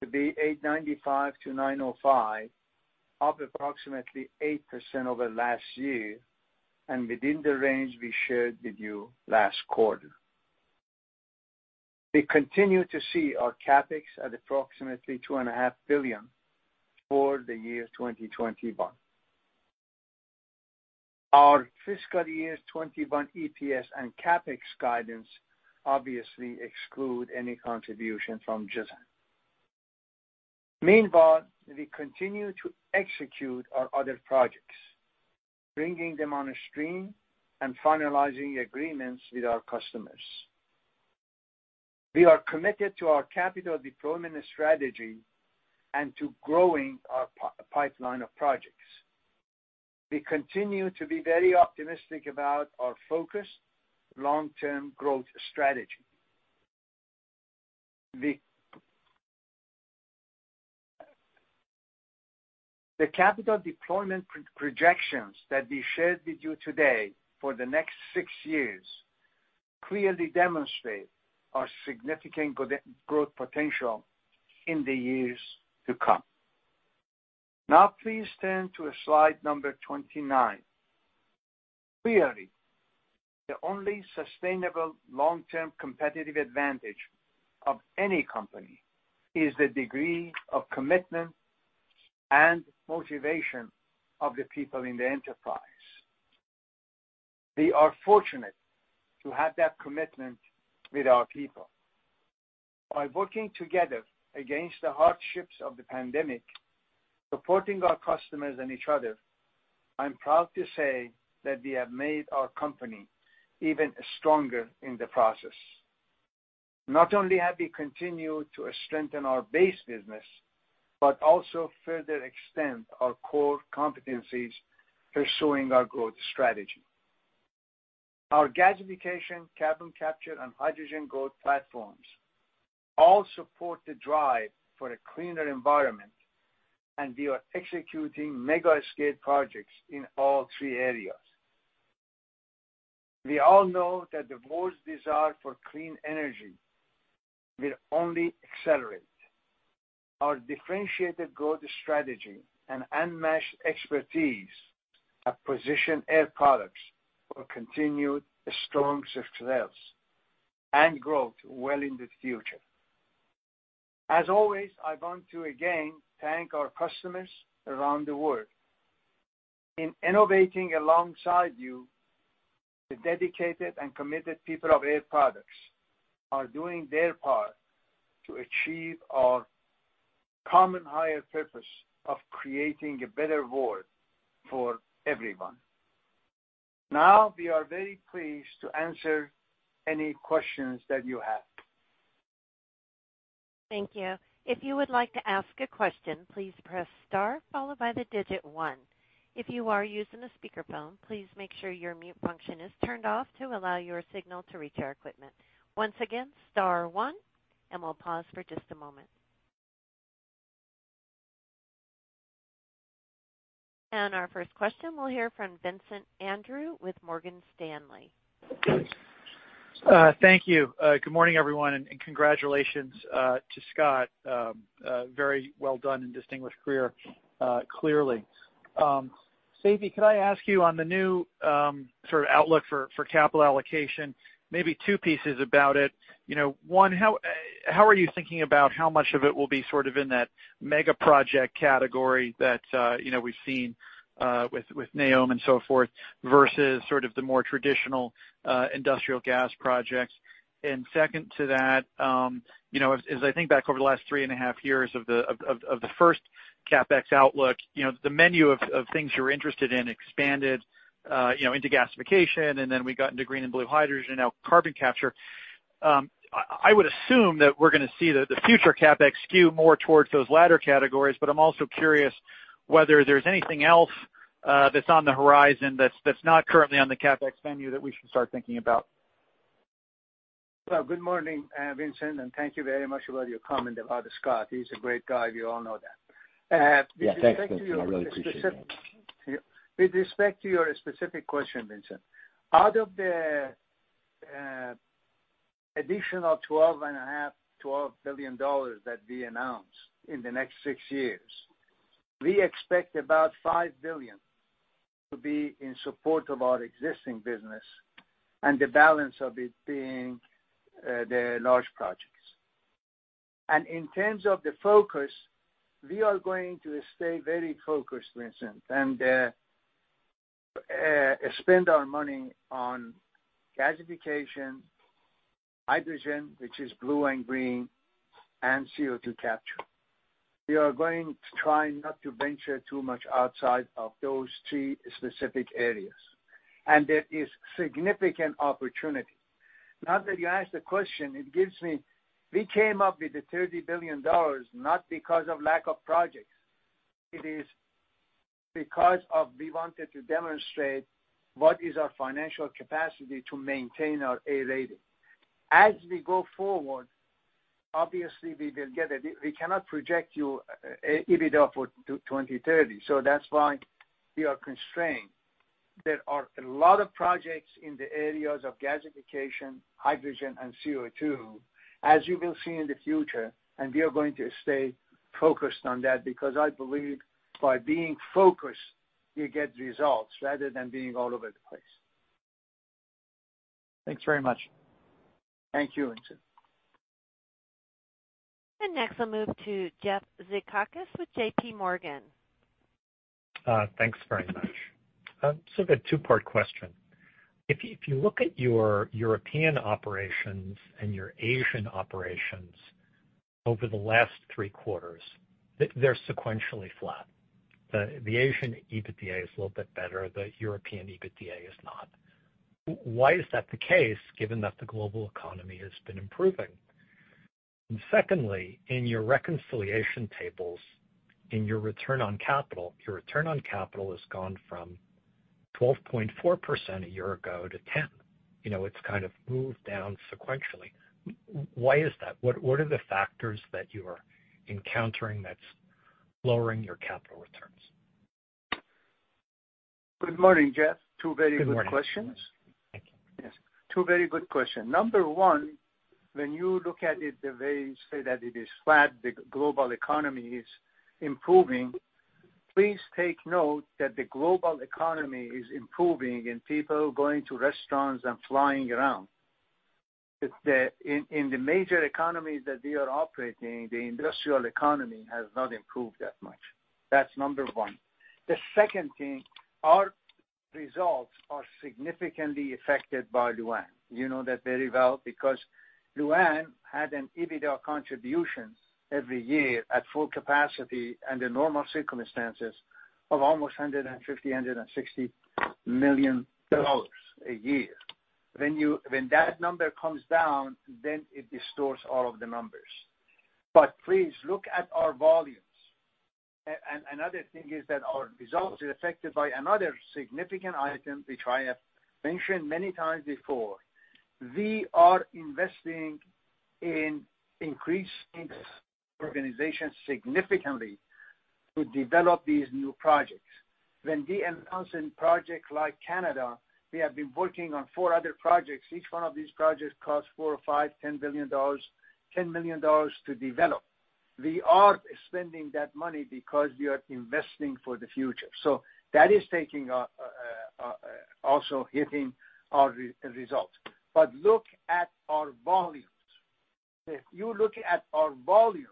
To be $8.95-$9.05, up approximately 8% over last year and within the range we shared with you last quarter. We continue to see our CapEx at approximately $2.5 billion for the year 2021. Our fiscal year 21 EPS and CapEx guidance obviously exclude any contribution from Jazan. We continue to execute our other projects, bringing them on a stream and finalizing agreements with our customers. We are committed to our capital deployment strategy and to growing our pipeline of projects. We continue to be very optimistic about our focused long-term growth strategy. The capital deployment projections that we shared with you today for the next six years clearly demonstrate our significant growth potential in the years to come. Please turn to slide number 29. The only sustainable long-term competitive advantage of any company is the degree of commitment and motivation of the people in the enterprise. We are fortunate to have that commitment with our people. By working together against the hardships of the pandemic, supporting our customers and each other, I'm proud to say that we have made our company even stronger in the process. Not only have we continued to strengthen our base business, but also further extend our core competencies pursuing our growth strategy. Our gasification, carbon capture, and hydrogen growth platforms all support the drive for a cleaner environment, and we are executing mega-scale projects in all three areas. We all know that the world's desire for clean energy will only accelerate. Our differentiated growth strategy and unmatched expertise have positioned Air Products for continued strong success and growth well in the future. As always, I want to again thank our customers around the world. In innovating alongside you, the dedicated and committed people of Air Products are doing their part to achieve our common higher purpose of creating a better world for everyone. Now, we are very pleased to answer any questions that you have. Thank you. If you would like to ask a question, please press star followed by the digit one. If you are using a speakerphone, please make sure your mute function is turned off to allow your signal to reach our equipment. Once again, star one, and we'll pause for just a moment. Our first question, we'll hear from Vincent Andrews with Morgan Stanley. Thank you. Good morning, everyone, and congratulations to Scott. Very well done and distinguished career, clearly. Seifi, could I ask you on the new sort of outlook for capital allocation, maybe two pieces about it. You know, one, how are you thinking about how much of it will be sort of in that mega project category that, you know, we've seen with NEOM and so forth versus sort of the more traditional industrial gas projects? Second to that, you know, as I think back over the last three and a half years of the first CapEx outlook, you know, the menu of things you were interested in expanded, you know, into gasification, then we got into green and blue hydrogen, now carbon capture. I would assume that we're gonna see the future CapEx skew more towards those latter categories, but I'm also curious whether there's anything else that's on the horizon that's not currently on the CapEx menu that we should start thinking about? Well, good morning, Vincent, and thank you very much about your comment about Scott. He's a great guy, we all know that. Yeah, thanks, Vincent. I really appreciate that. With respect to your specific question, Vincent. Out of the additional $12.5 billion, $12 billion that we announced in the next six years, we expect about $5 billion to be in support of our existing business and the balance of it being the large projects. In terms of the focus, we are going to stay very focused, Vincent, and spend our money on gasification, hydrogen, which is blue and green, and CO2 capture. We are going to try not to venture too much outside of those three specific areas. There is significant opportunity. Now that you asked the question, it gives me. We came up with the $30 billion not because of lack of projects. It is because we wanted to demonstrate what is our financial capacity to maintain our A rating. As we go forward, obviously, we will get it. We cannot project you EBITDA for 2030. That's why we are constrained. There are a lot of projects in the areas of gasification, hydrogen, and CO2, as you will see in the future. We are going to stay focused on that because I believe by being focused, you get results rather than being all over the place. Thanks very much. Thank you, Vincent. Next, I'll move to Jeff Zekauskas with JPMorgan. Thanks very much. I've a two-part question. If you, if you look at your European operations and your Asian operations over the last 3 quarters, they're sequentially flat. The, the Asian EBITDA is a little bit better, the European EBITDA is not. Why is that the case given that the global economy has been improving? Secondly, in your reconciliation tables, in your return on capital, your return on capital has gone from 12.4% a year ago to 10. You know, it's kind of moved down sequentially. Why is that? What are the factors that you are encountering that's lowering your capital returns? Good morning, Jeff. Two very good questions. Good morning. Thank you. Yes. Two very good question. Number one, when you look at it, the way you say that it is flat, the global economy is improving. Please take note that the global economy is improving and people going to restaurants and flying around. In the major economies that we are operating, the industrial economy has not improved that much. That's number one. The second thing, our results are significantly affected by Lu'An. You know that very well because Lu'An had an EBITDA contribution every year at full capacity under normal circumstances of almost $150 million, $160 million a year. When that number comes down, then it distorts all of the numbers. Please look at our volumes. Another thing is that our results are affected by another significant item, which I have mentioned many times before. We are investing in increasing organization significantly to develop these new projects. When we announce in projects like Canada, we have been working on four other projects. Each one of these projects costs four or five, $10 billion, $10 million to develop. We are spending that money because we are investing for the future. That is taking also hitting our results. Look at our volumes. If you look at our volumes,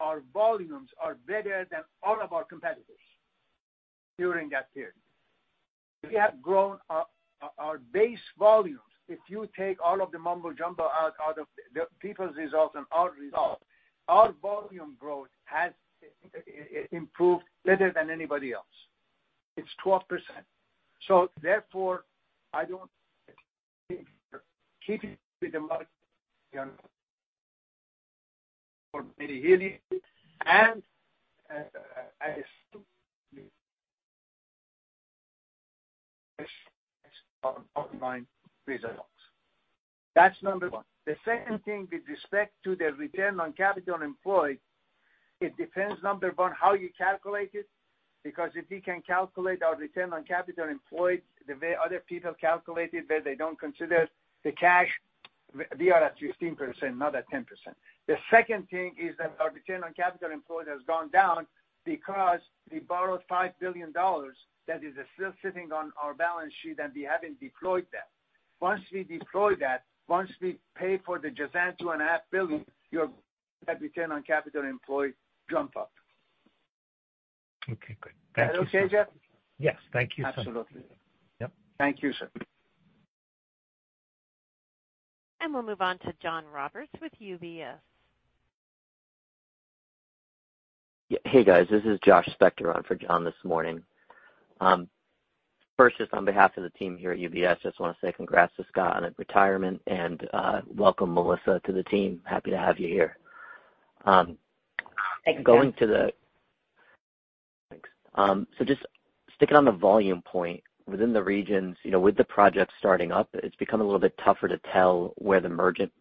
our volumes are better than all of our competitors during that period. We have grown our base volumes. If you take all of the mumbo jumbo out of the people's results and our results, our volume growth has improved better than anybody else. It's 12%. Therefore, I don't keep it with the margin for very region, as online results. That's number one. The second thing with respect to the return on capital employed, it depends, number 1, how you calculate it, because if you can calculate our return on capital employed the way other people calculate it, where they don't consider the cash, we are at 15%, not at 10%. The second thing is that our return on capital employed has gone down because we borrowed $5 billion that is still sitting on our balance sheet and we haven't deployed that. Once we deploy that, once we pay for the Jazan $2.5 billion, your return on capital employed jump up. Okay, good. Thank you. Is that okay, Jeff? Yes. Thank you, sir. Absolutely. Yep. Thank you, sir. We'll move on to John Roberts with UBS. Yeah. Hey, guys. This is Josh Spector on for John this morning. First, just on behalf of the team here at UBS, just want to say congrats to Scott on his retirement and welcome, Melissa, to the team. Happy to have you here. Thank you. Going to the Thanks. Just sticking on the volume point within the regions, you know, with the project starting up, it's become a little bit tougher to tell where the merchant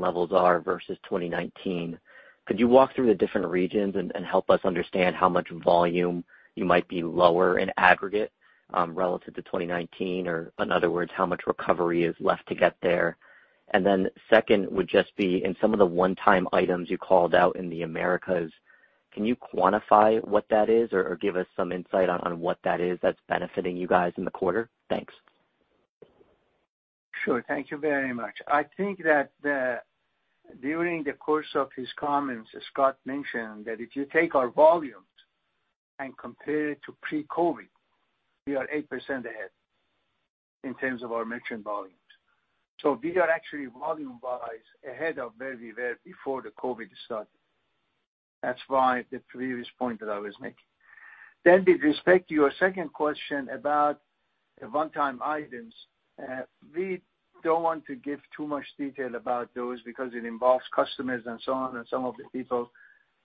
levels are versus 2019. Could you walk through the different regions and help us understand how much volume you might be lower in aggregate relative to 2019? Or in other words, how much recovery is left to get there? Then second would just be in some of the one-time items you called out in the Americas, can you quantify what that is or give us some insight on what that is that's benefiting you guys in the quarter? Thanks. Sure. Thank you very much. I think that, during the course of his comments, Scott mentioned that if you take our volumes and compare it to pre-COVID, we are 8% ahead in terms of our merchant volumes. We are actually volume-wise ahead of where we were before the COVID started. That's why the previous point that I was making. With respect to your second question about one-time items, we don't want to give too much detail about those because it involves customers and so on, and some of the people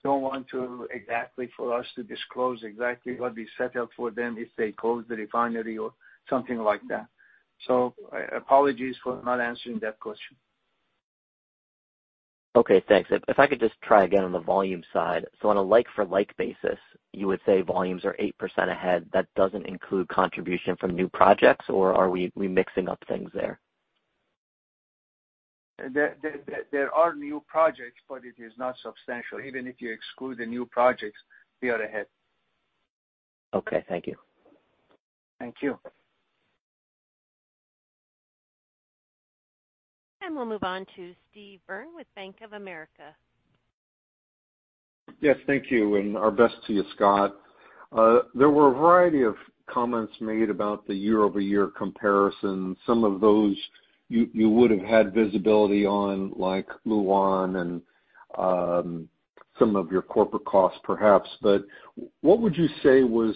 don't want to exactly for us to disclose exactly what we settled for them if they close the refinery or something like that. Apologies for not answering that question. Okay, thanks. If I could just try again on the volume side. On a like-for-like basis, you would say volumes are 8% ahead. That doesn't include contribution from new projects, or are we mixing up things there? There are new projects, but it is not substantial. Even if you exclude the new projects, we are ahead. Okay, thank you. Thank you. We'll move on to Steve Byrne with Bank of America. Yes, thank you, and our best to you, Scott. There were a variety of comments made about the year-over-year comparison. Some of those you would've had visibility on, like Lu'An and some of your corporate costs perhaps. What would you say was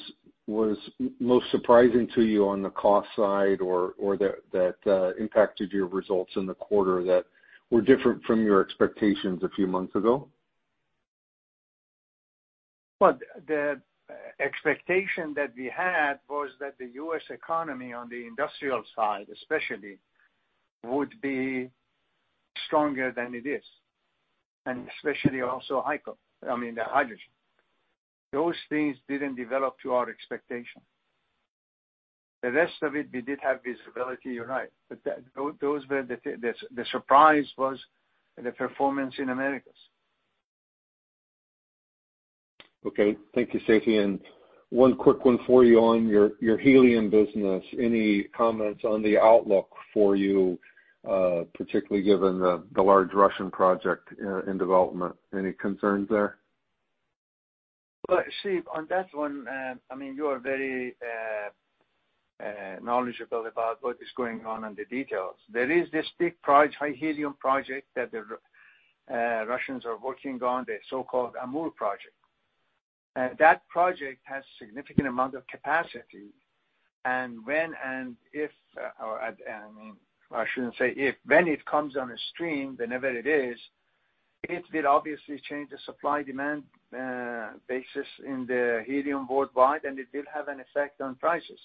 most surprising to you on the cost side or that impacted your results in the quarter that were different from your expectations a few months ago? Well, the expectation that we had was that the U.S. economy, on the industrial side especially, would be stronger than it is, and especially also I mean, the hydrogen. Those things didn't develop to our expectation. The rest of it, we did have visibility, you're right. Those were the surprise was the performance in Americas. Okay. Thank you, Seifi. One quick one for you on your helium business. Any comments on the outlook for you, particularly given the large Russian project in development? Any concerns there? Well, Steve, I mean, you are very knowledgeable about what is going on in the details. There is this big project, high helium project that the Russians are working on, the so-called Amur project. That project has significant amount of capacity. When and if, or, I mean, I shouldn't say if, when it comes onstream, whenever it is, it will obviously change the supply-demand basis in the helium worldwide, and it will have an effect on prices.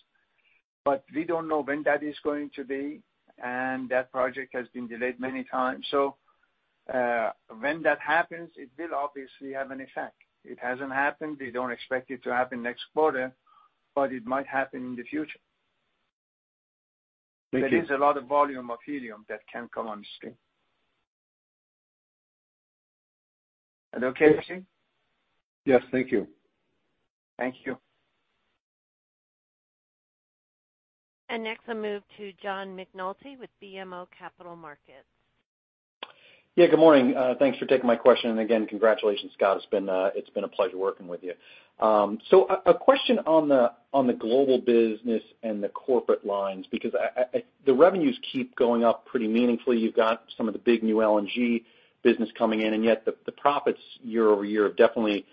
We don't know when that is going to be, and that project has been delayed many times. When that happens, it will obviously have an effect. It hasn't happened. We don't expect it to happen next quarter, but it might happen in the future. Thank you. There is a lot of volume of helium that can come on the stream. Is that okay, Steve? Yes, thank you. Thank you. Next, I'll move to John McNulty with BMO Capital Markets. Good morning. Thanks for taking my question. Again, congratulations, Scott. It's been a pleasure working with you. A question on the global business and the corporate lines, because the revenues keep going up pretty meaningfully. You've got some of the big new LNG business coming in, yet the profits year-over-year have definitely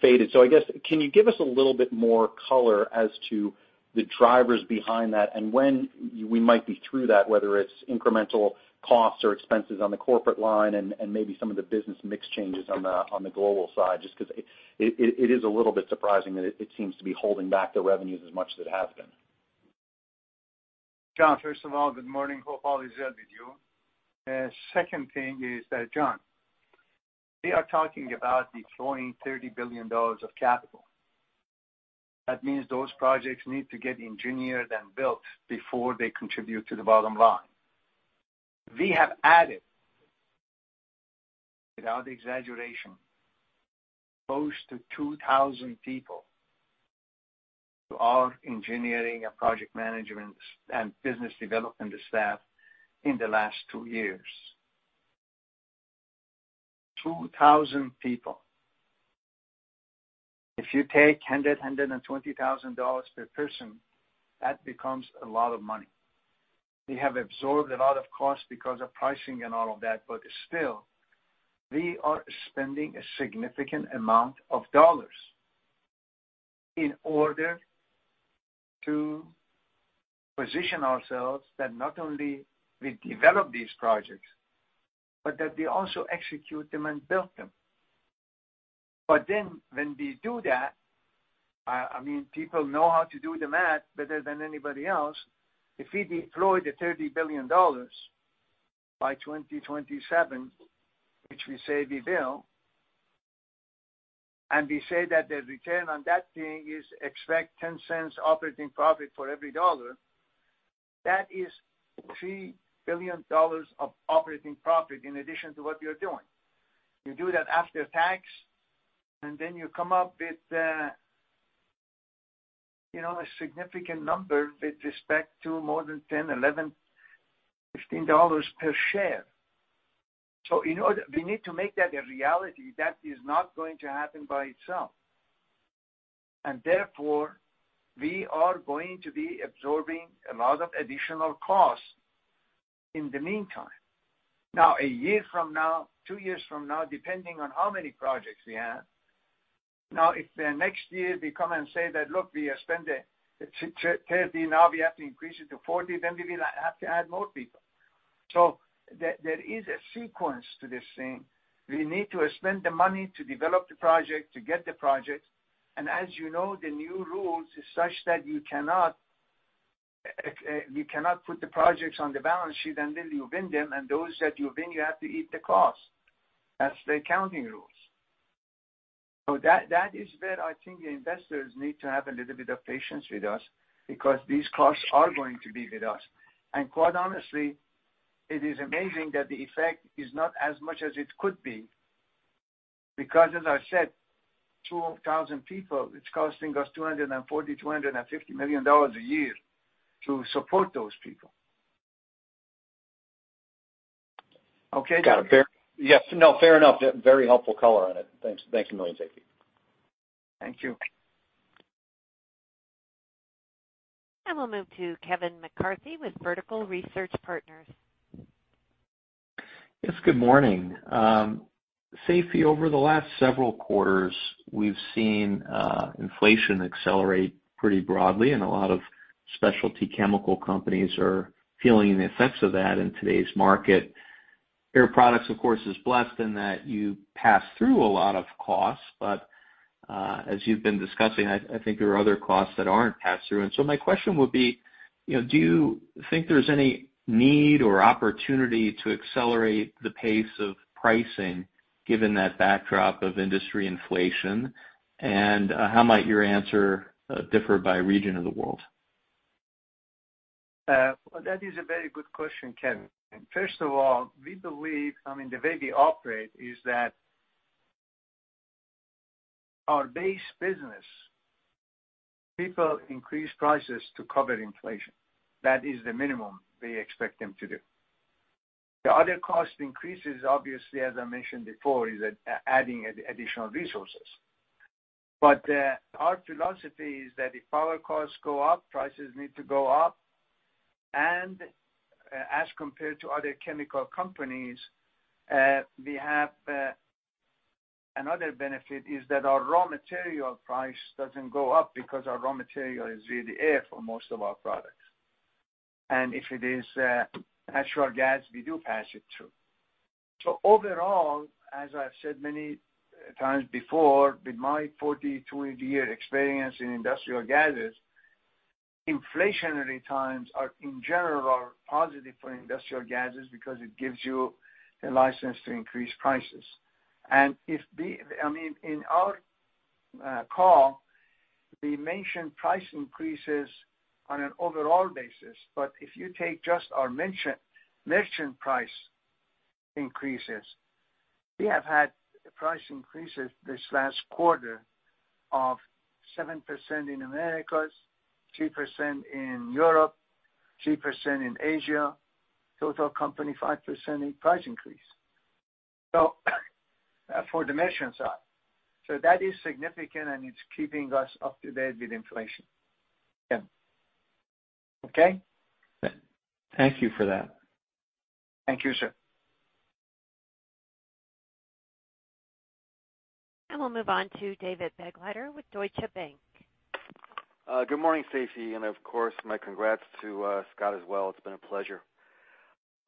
faded. I guess, can you give us a little bit more color as to the drivers behind that and when we might be through that, whether it's incremental costs or expenses on the corporate line and maybe some of the business mix changes on the global side? Just 'cause it is a little bit surprising that it seems to be holding back the revenues as much as it has been. John, first of all, good morning. Hope all is well with you. Second thing is that, John, we are talking about deploying $30 billion of capital. That means those projects need to get engineered and built before they contribute to the bottom line. We have added, without exaggeration, close to 2,000 people to our engineering and project management and business development staff in the last two years. 2,000 people. If you take $100,000-$120,000 per person, that becomes a lot of money. We have absorbed a lot of costs because of pricing and all of that. Still, we are spending a significant amount of dollars in order to position ourselves that not only we develop these projects, but that we also execute them and build them. When we do that, I mean, people know how to do the math better than anybody else. If we deploy the $30 billion by 2027, which we say we will, and we say that the return on that thing is expect $0.10 operating profit for every dollar, that is $3 billion of operating profit in addition to what we are doing. You do that after tax, and then you come up with, you know, a significant number with respect to more than $10, $11, $15 per share. We need to make that a reality. That is not going to happen by itself. We are going to be absorbing a lot of additional costs in the meantime. A year from now, two years from now, depending on how many projects we have, if the next year we come and say that, "Look, we have spent 30, now we have to increase it to 40," we will have to add more people. There is a sequence to this thing. We need to spend the money to develop the project, to get the project, as you know, the new rules is such that you cannot put the projects on the balance sheet, you win them, and those that you win, you have to eat the cost. That's the accounting rules. That is where I think the investors need to have a little bit of patience with us because these costs are going to be with us. Quite honestly, it is amazing that the effect is not as much as it could be. As I said, 2,000 people, it's costing us $240 million-$250 million a year to support those people. Okay, John Roberts? Got it. Yes, no, fair enough. Very helpful color on it. Thanks. Thank you million, Seifi. Thank you. We'll move to Kevin McCarthy with Vertical Research Partners. Yes, good morning. Seifi, over the last several quarters, we've seen inflation accelerate pretty broadly, and a lot of specialty chemical companies are feeling the effects of that in today's market. Air Products, of course, is blessed in that you pass through a lot of costs, but, as you've been discussing, I think there are other costs that aren't passed through. My question would be, you know, do you think there's any need or opportunity to accelerate the pace of pricing given that backdrop of industry inflation? How might your answer differ by region of the world? Well, that is a very good question, Kevin. First of all, I mean, the way we operate is that our base business, people increase prices to cover inflation. That is the minimum we expect them to do. The other cost increases, obviously, as I mentioned before, is adding additional resources. Our philosophy is that if our costs go up, prices need to go up. As compared to other chemical companies, we have another benefit is that our raw material price doesn't go up because our raw material is really air for most of our products. If it is natural gas, we do pass it through. Overall, as I've said many times before, with my 40, 20 year experience in industrial gases, inflationary times are, in general, positive for industrial gases because it gives you a license to increase prices. If we, I mean, in our call, we mentioned price increases on an overall basis. If you take just our merchant price increases, we have had price increases this last quarter of 7% in Americas, 2% in Europe, 3% in Asia. Total company, 5% in price increase. For dimensions are. That is significant, and it's keeping us up to date with inflation. Yeah. Okay? Thank you for that. Thank you, sir. We'll move on to David Begleiter with Deutsche Bank. Good morning, Seifi. Of course, my congrats to Scott as well. It's been a pleasure.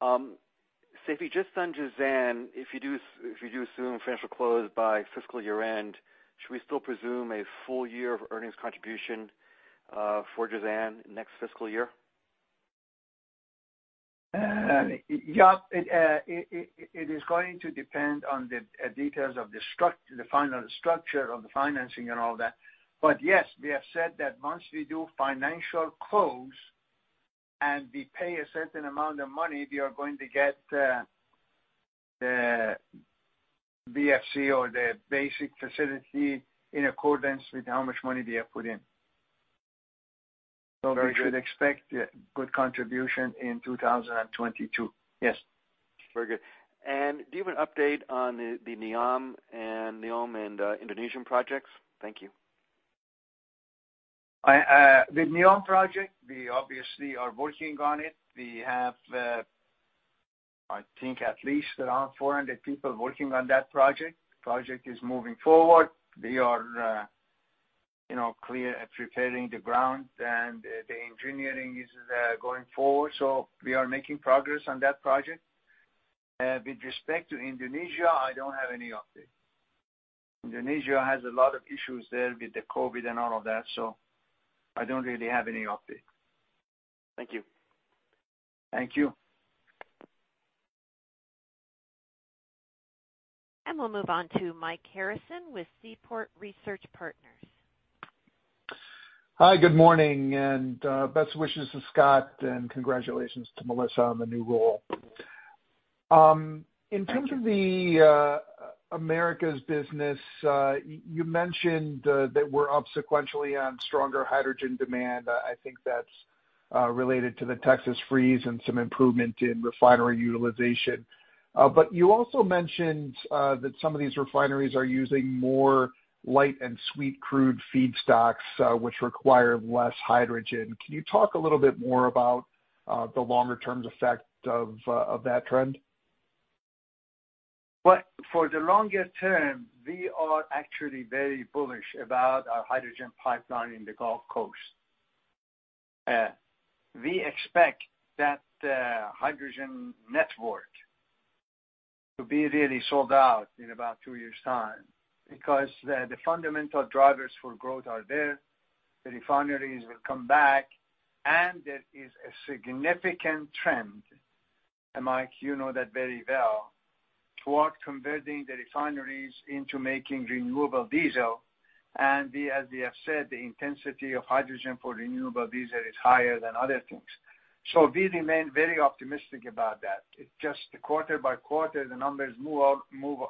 Seifi, just on Jazan, if you do assume financial close by fiscal year-end, should we still presume a full year of earnings contribution for Jazan next fiscal year? It is going to depend on the details of the final structure of the financing and all that. Yes, we have said that once we do financial close and we pay a certain amount of money, we are going to get the BFC or the basic facility in accordance with how much money we have put in. Very good. We should expect, yeah, good contribution in 2022. Yes. Very good. Do you have an update on the NEOM and Indonesian projects? Thank you. I, the NEOM project, we obviously are working on it. We have, I think at least around 400 people working on that project. Project is moving forward. We are, you know, clear at preparing the ground, and the engineering is going forward. We are making progress on that project. With respect to Indonesia, I don't have any update. Indonesia has a lot of issues there with the COVID-19 and all of that, so I don't really have any update. Thank you. Thank you. We'll move on to Mike Harrison with Seaport Research Partners. Hi, good morning, best wishes to Scott and congratulations to Melissa on the new role. Thank you. In terms of the Americas business, you mentioned that we're up sequentially on stronger hydrogen demand. I think that's related to the Texas freeze and some improvement in refinery utilization. You also mentioned that some of these refineries are using more light and sweet crude feedstocks, which require less hydrogen. Can you talk a little bit more about the longer term effect of that trend? Well, for the longer term, we are actually very bullish about our hydrogen pipeline in the Gulf Coast. We expect that the hydrogen network to be really sold out in about two years' time because the fundamental drivers for growth are there, the refineries will come back, and there is a significant trend, and Mike, you know that very well, toward converting the refineries into making renewable diesel. We, as we have said, the intensity of hydrogen for renewable diesel is higher than other things. We remain very optimistic about that. It's just quarter by quarter, the numbers move out,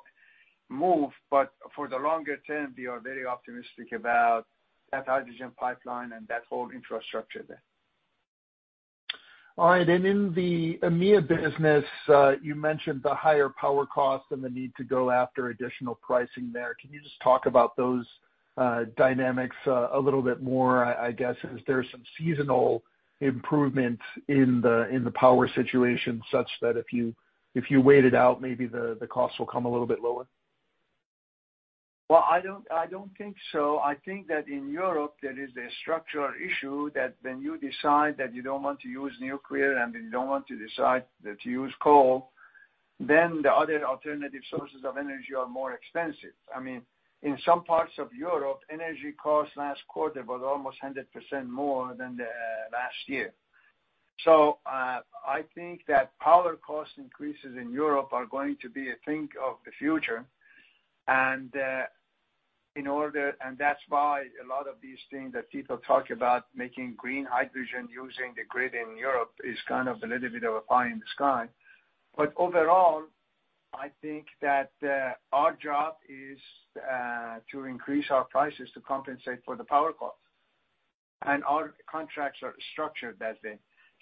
move, but for the longer term, we are very optimistic about that hydrogen pipeline and that whole infrastructure there. All right. In the EMEA business, you mentioned the higher power cost and the need to go after additional pricing there. Can you just talk about those dynamics a little bit more? I guess, is there some seasonal improvement in the power situation such that if you wait it out, maybe the cost will come a little bit lower? Well, I don't think so. I think that in Europe, there is a structural issue that when you decide that you don't want to use nuclear and you don't want to decide that you use coal, then the other alternative sources of energy are more expensive. I mean, in some parts of Europe, energy costs last quarter was almost 100% more than last year. I think that power cost increases in Europe are going to be a thing of the future. That's why a lot of these things that people talk about making green hydrogen using the grid in Europe is kind of a little bit of a pie in the sky. Overall, I think that our job is to increase our prices to compensate for the power cost. Our contracts are structured that way.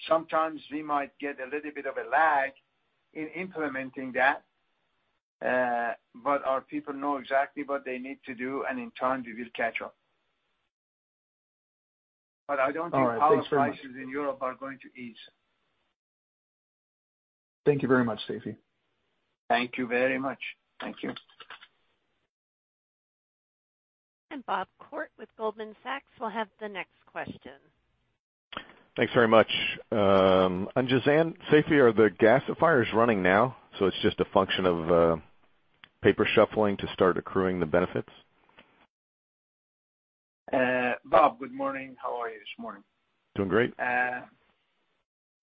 Sometimes we might get a little bit of a lag in implementing that, but our people know exactly what they need to do, and in time we will catch up. All right. Thanks very much Power prices in Europe are going to ease. Thank you very much, Seifi. Thank you very much. Thank you. Bob Koort with Goldman Sachs will have the next question. Thanks very much. On Jazan, Seifi, are the gasifiers running now, so it's just a function of paper shuffling to start accruing the benefits? Bob Koort, good morning. How are you this morning? Doing great.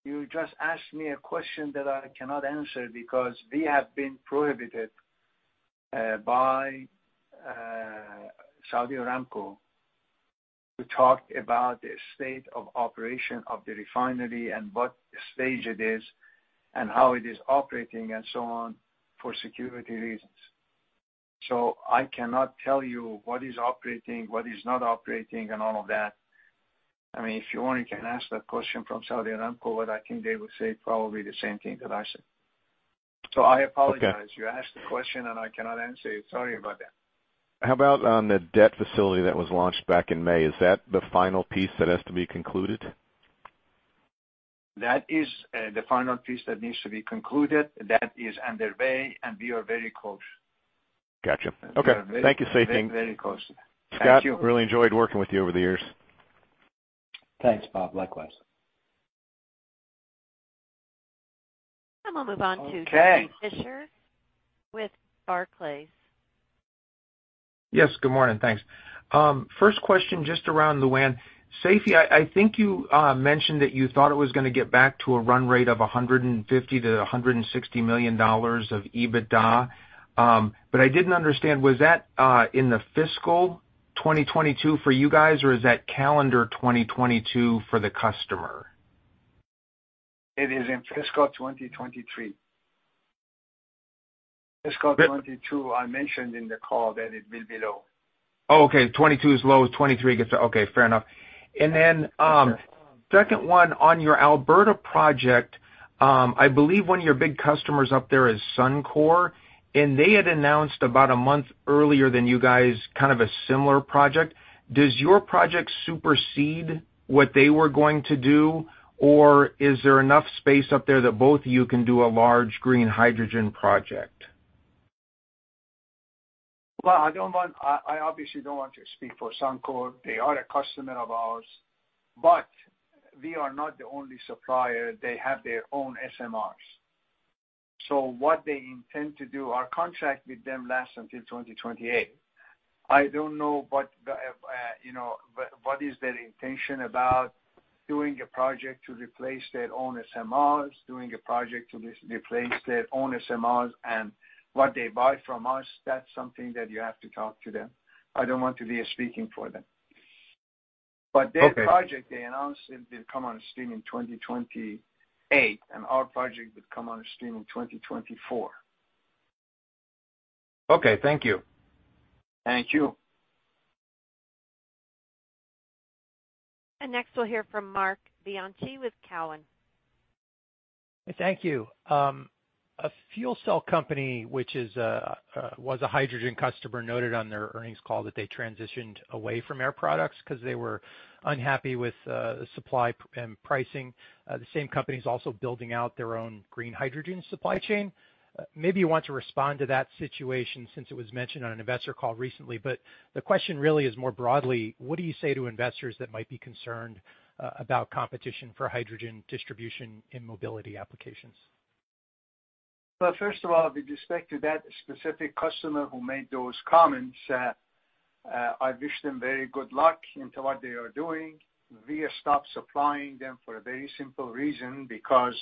You just asked me a question that I cannot answer because we have been prohibited by Saudi Aramco to talk about the state of operation of the refinery and what stage it is and how it is operating and so on, for security reasons. I cannot tell you what is operating, what is not operating, and all of that. I mean, if you want, you can ask that question from Saudi Aramco, but I think they will say probably the same thing that I said. I apologize. Okay. You asked the question, and I cannot answer it. Sorry about that. How about on the debt facility that was launched back in May? Is that the final piece that has to be concluded? That is, the final piece that needs to be concluded. That is underway. We are very close. Gotcha. Okay. We are very. Thank you, Seifi. Very close. Thank you. Scott, really enjoyed working with you over the years. Thanks, Bob Koort. Likewise. And we'll move on to. Okay. Duffy Fischer with Barclays. Yes, good morning. Thanks. First question, just around Lu'An. Seifi, I think you mentioned that you thought it was gonna get back to a run rate of $150 million-$160 million of EBITDA, but I didn't understand, was that in the fiscal 2022 for you guys or is that calendar 2022 for the customer? It is in fiscal 2023. 2022, I mentioned in the call that it will be low. Oh, okay. 2022 is low, 2023. Okay, fair enough. Then, second one on your Alberta project, I believe one of your big customers up there is Suncor, and they had announced about a month earlier than you guys kind of a similar project. Does your project supersede what they were going to do, or is there enough space up there that both of you can do a large green hydrogen project? Well, I obviously don't want to speak for Suncor. They are a customer of ours, but we are not the only supplier. They have their own SMRs. What they intend to do, our contract with them lasts until 2028. I don't know what the, you know, what is their intention about doing a project to replace their own SMRs, doing a project to re-replace their own SMRs and what they buy from us. That's something that you have to talk to them. I don't want to be speaking for them. Okay. Their project, they announced it will come on stream in 2028, and our project would come on a stream in 2024. Okay, thank you. Thank you. Next, we'll hear from Marc Bianchi with Cowen. Thank you. A fuel cell company, which is, was a hydrogen customer, noted on their earnings call that they transitioned away from Air Products 'cause they were unhappy with supply and pricing. The same company is also building out their own green hydrogen supply chain. Maybe you want to respond to that situation since it was mentioned on an investor call recently. The question really is more broadly, what do you say to investors that might be concerned about competition for hydrogen distribution in mobility applications? Well, first of all, with respect to that specific customer who made those comments, I wish them very good luck into what they are doing. We have stopped supplying them for a very simple reason, because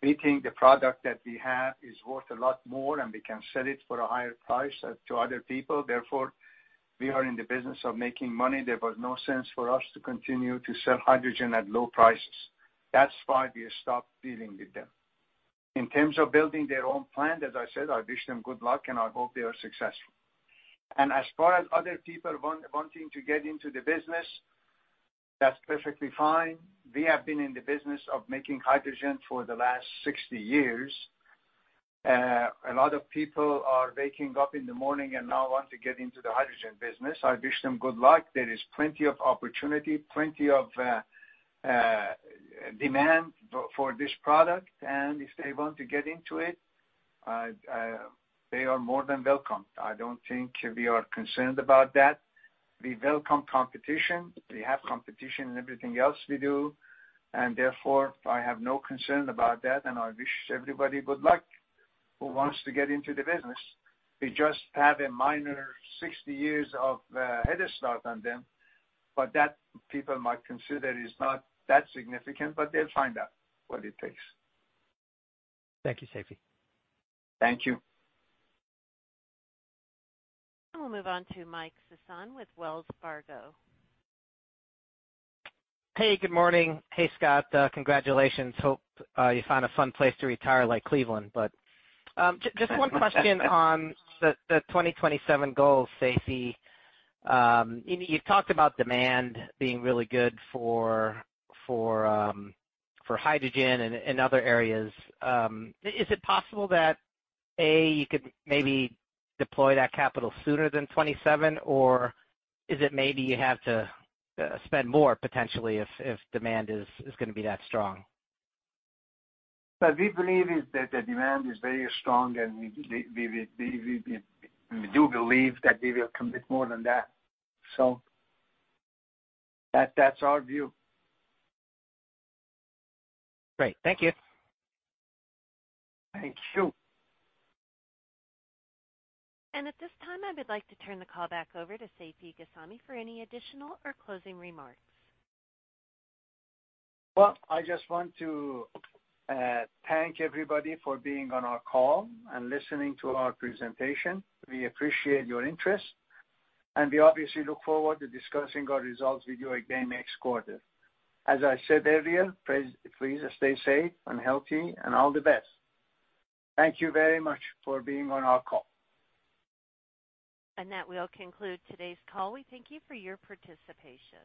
we think the product that we have is worth a lot more, and we can sell it for a higher price to other people. Therefore, we are in the business of making money. There was no sense for us to continue to sell hydrogen at low prices. That's why we stopped dealing with them. In terms of building their own plant, as I said, I wish them good luck, and I hope they are successful. As far as other people want, wanting to get into the business, that's perfectly fine. We have been in the business of making hydrogen for the last 60 years. A lot of people are waking up in the morning and now want to get into the hydrogen business. I wish them good luck. There is plenty of opportunity, plenty of demand for this product, and if they want to get into it, they are more than welcome. I don't think we are concerned about that. We welcome competition. We have competition in everything else we do, and therefore I have no concern about that, and I wish everybody good luck who wants to get into the business. We just have a minor 60 years of head start on them, but that people might consider is not that significant, but they'll find out what it takes. Thank you, Seifi. Thank you. We'll move on to Mike Sison with Wells Fargo. Hey, good morning. Hey, Scott. Congratulations. Hope you find a fun place to retire, like Cleveland. Just one question on the 2027 goal, Seifi. You've talked about demand being really good for hydrogen and other areas. Is it possible that, A, you could maybe deploy that capital sooner than 27, or is it maybe you have to spend more potentially if demand is gonna be that strong? We believe is that the demand is very strong, and we do believe that we will commit more than that. That's our view. Great. Thank you. Thank you. At this time, I would like to turn the call back over to Seifi Ghasemi for any additional or closing remarks. I just want to thank everybody for being on our call and listening to our presentation. We appreciate your interest, we obviously look forward to discussing our results with you again next quarter. As I said earlier, please stay safe and healthy, and all the best. Thank you very much for being on our call. That will conclude today's call. We thank you for your participation.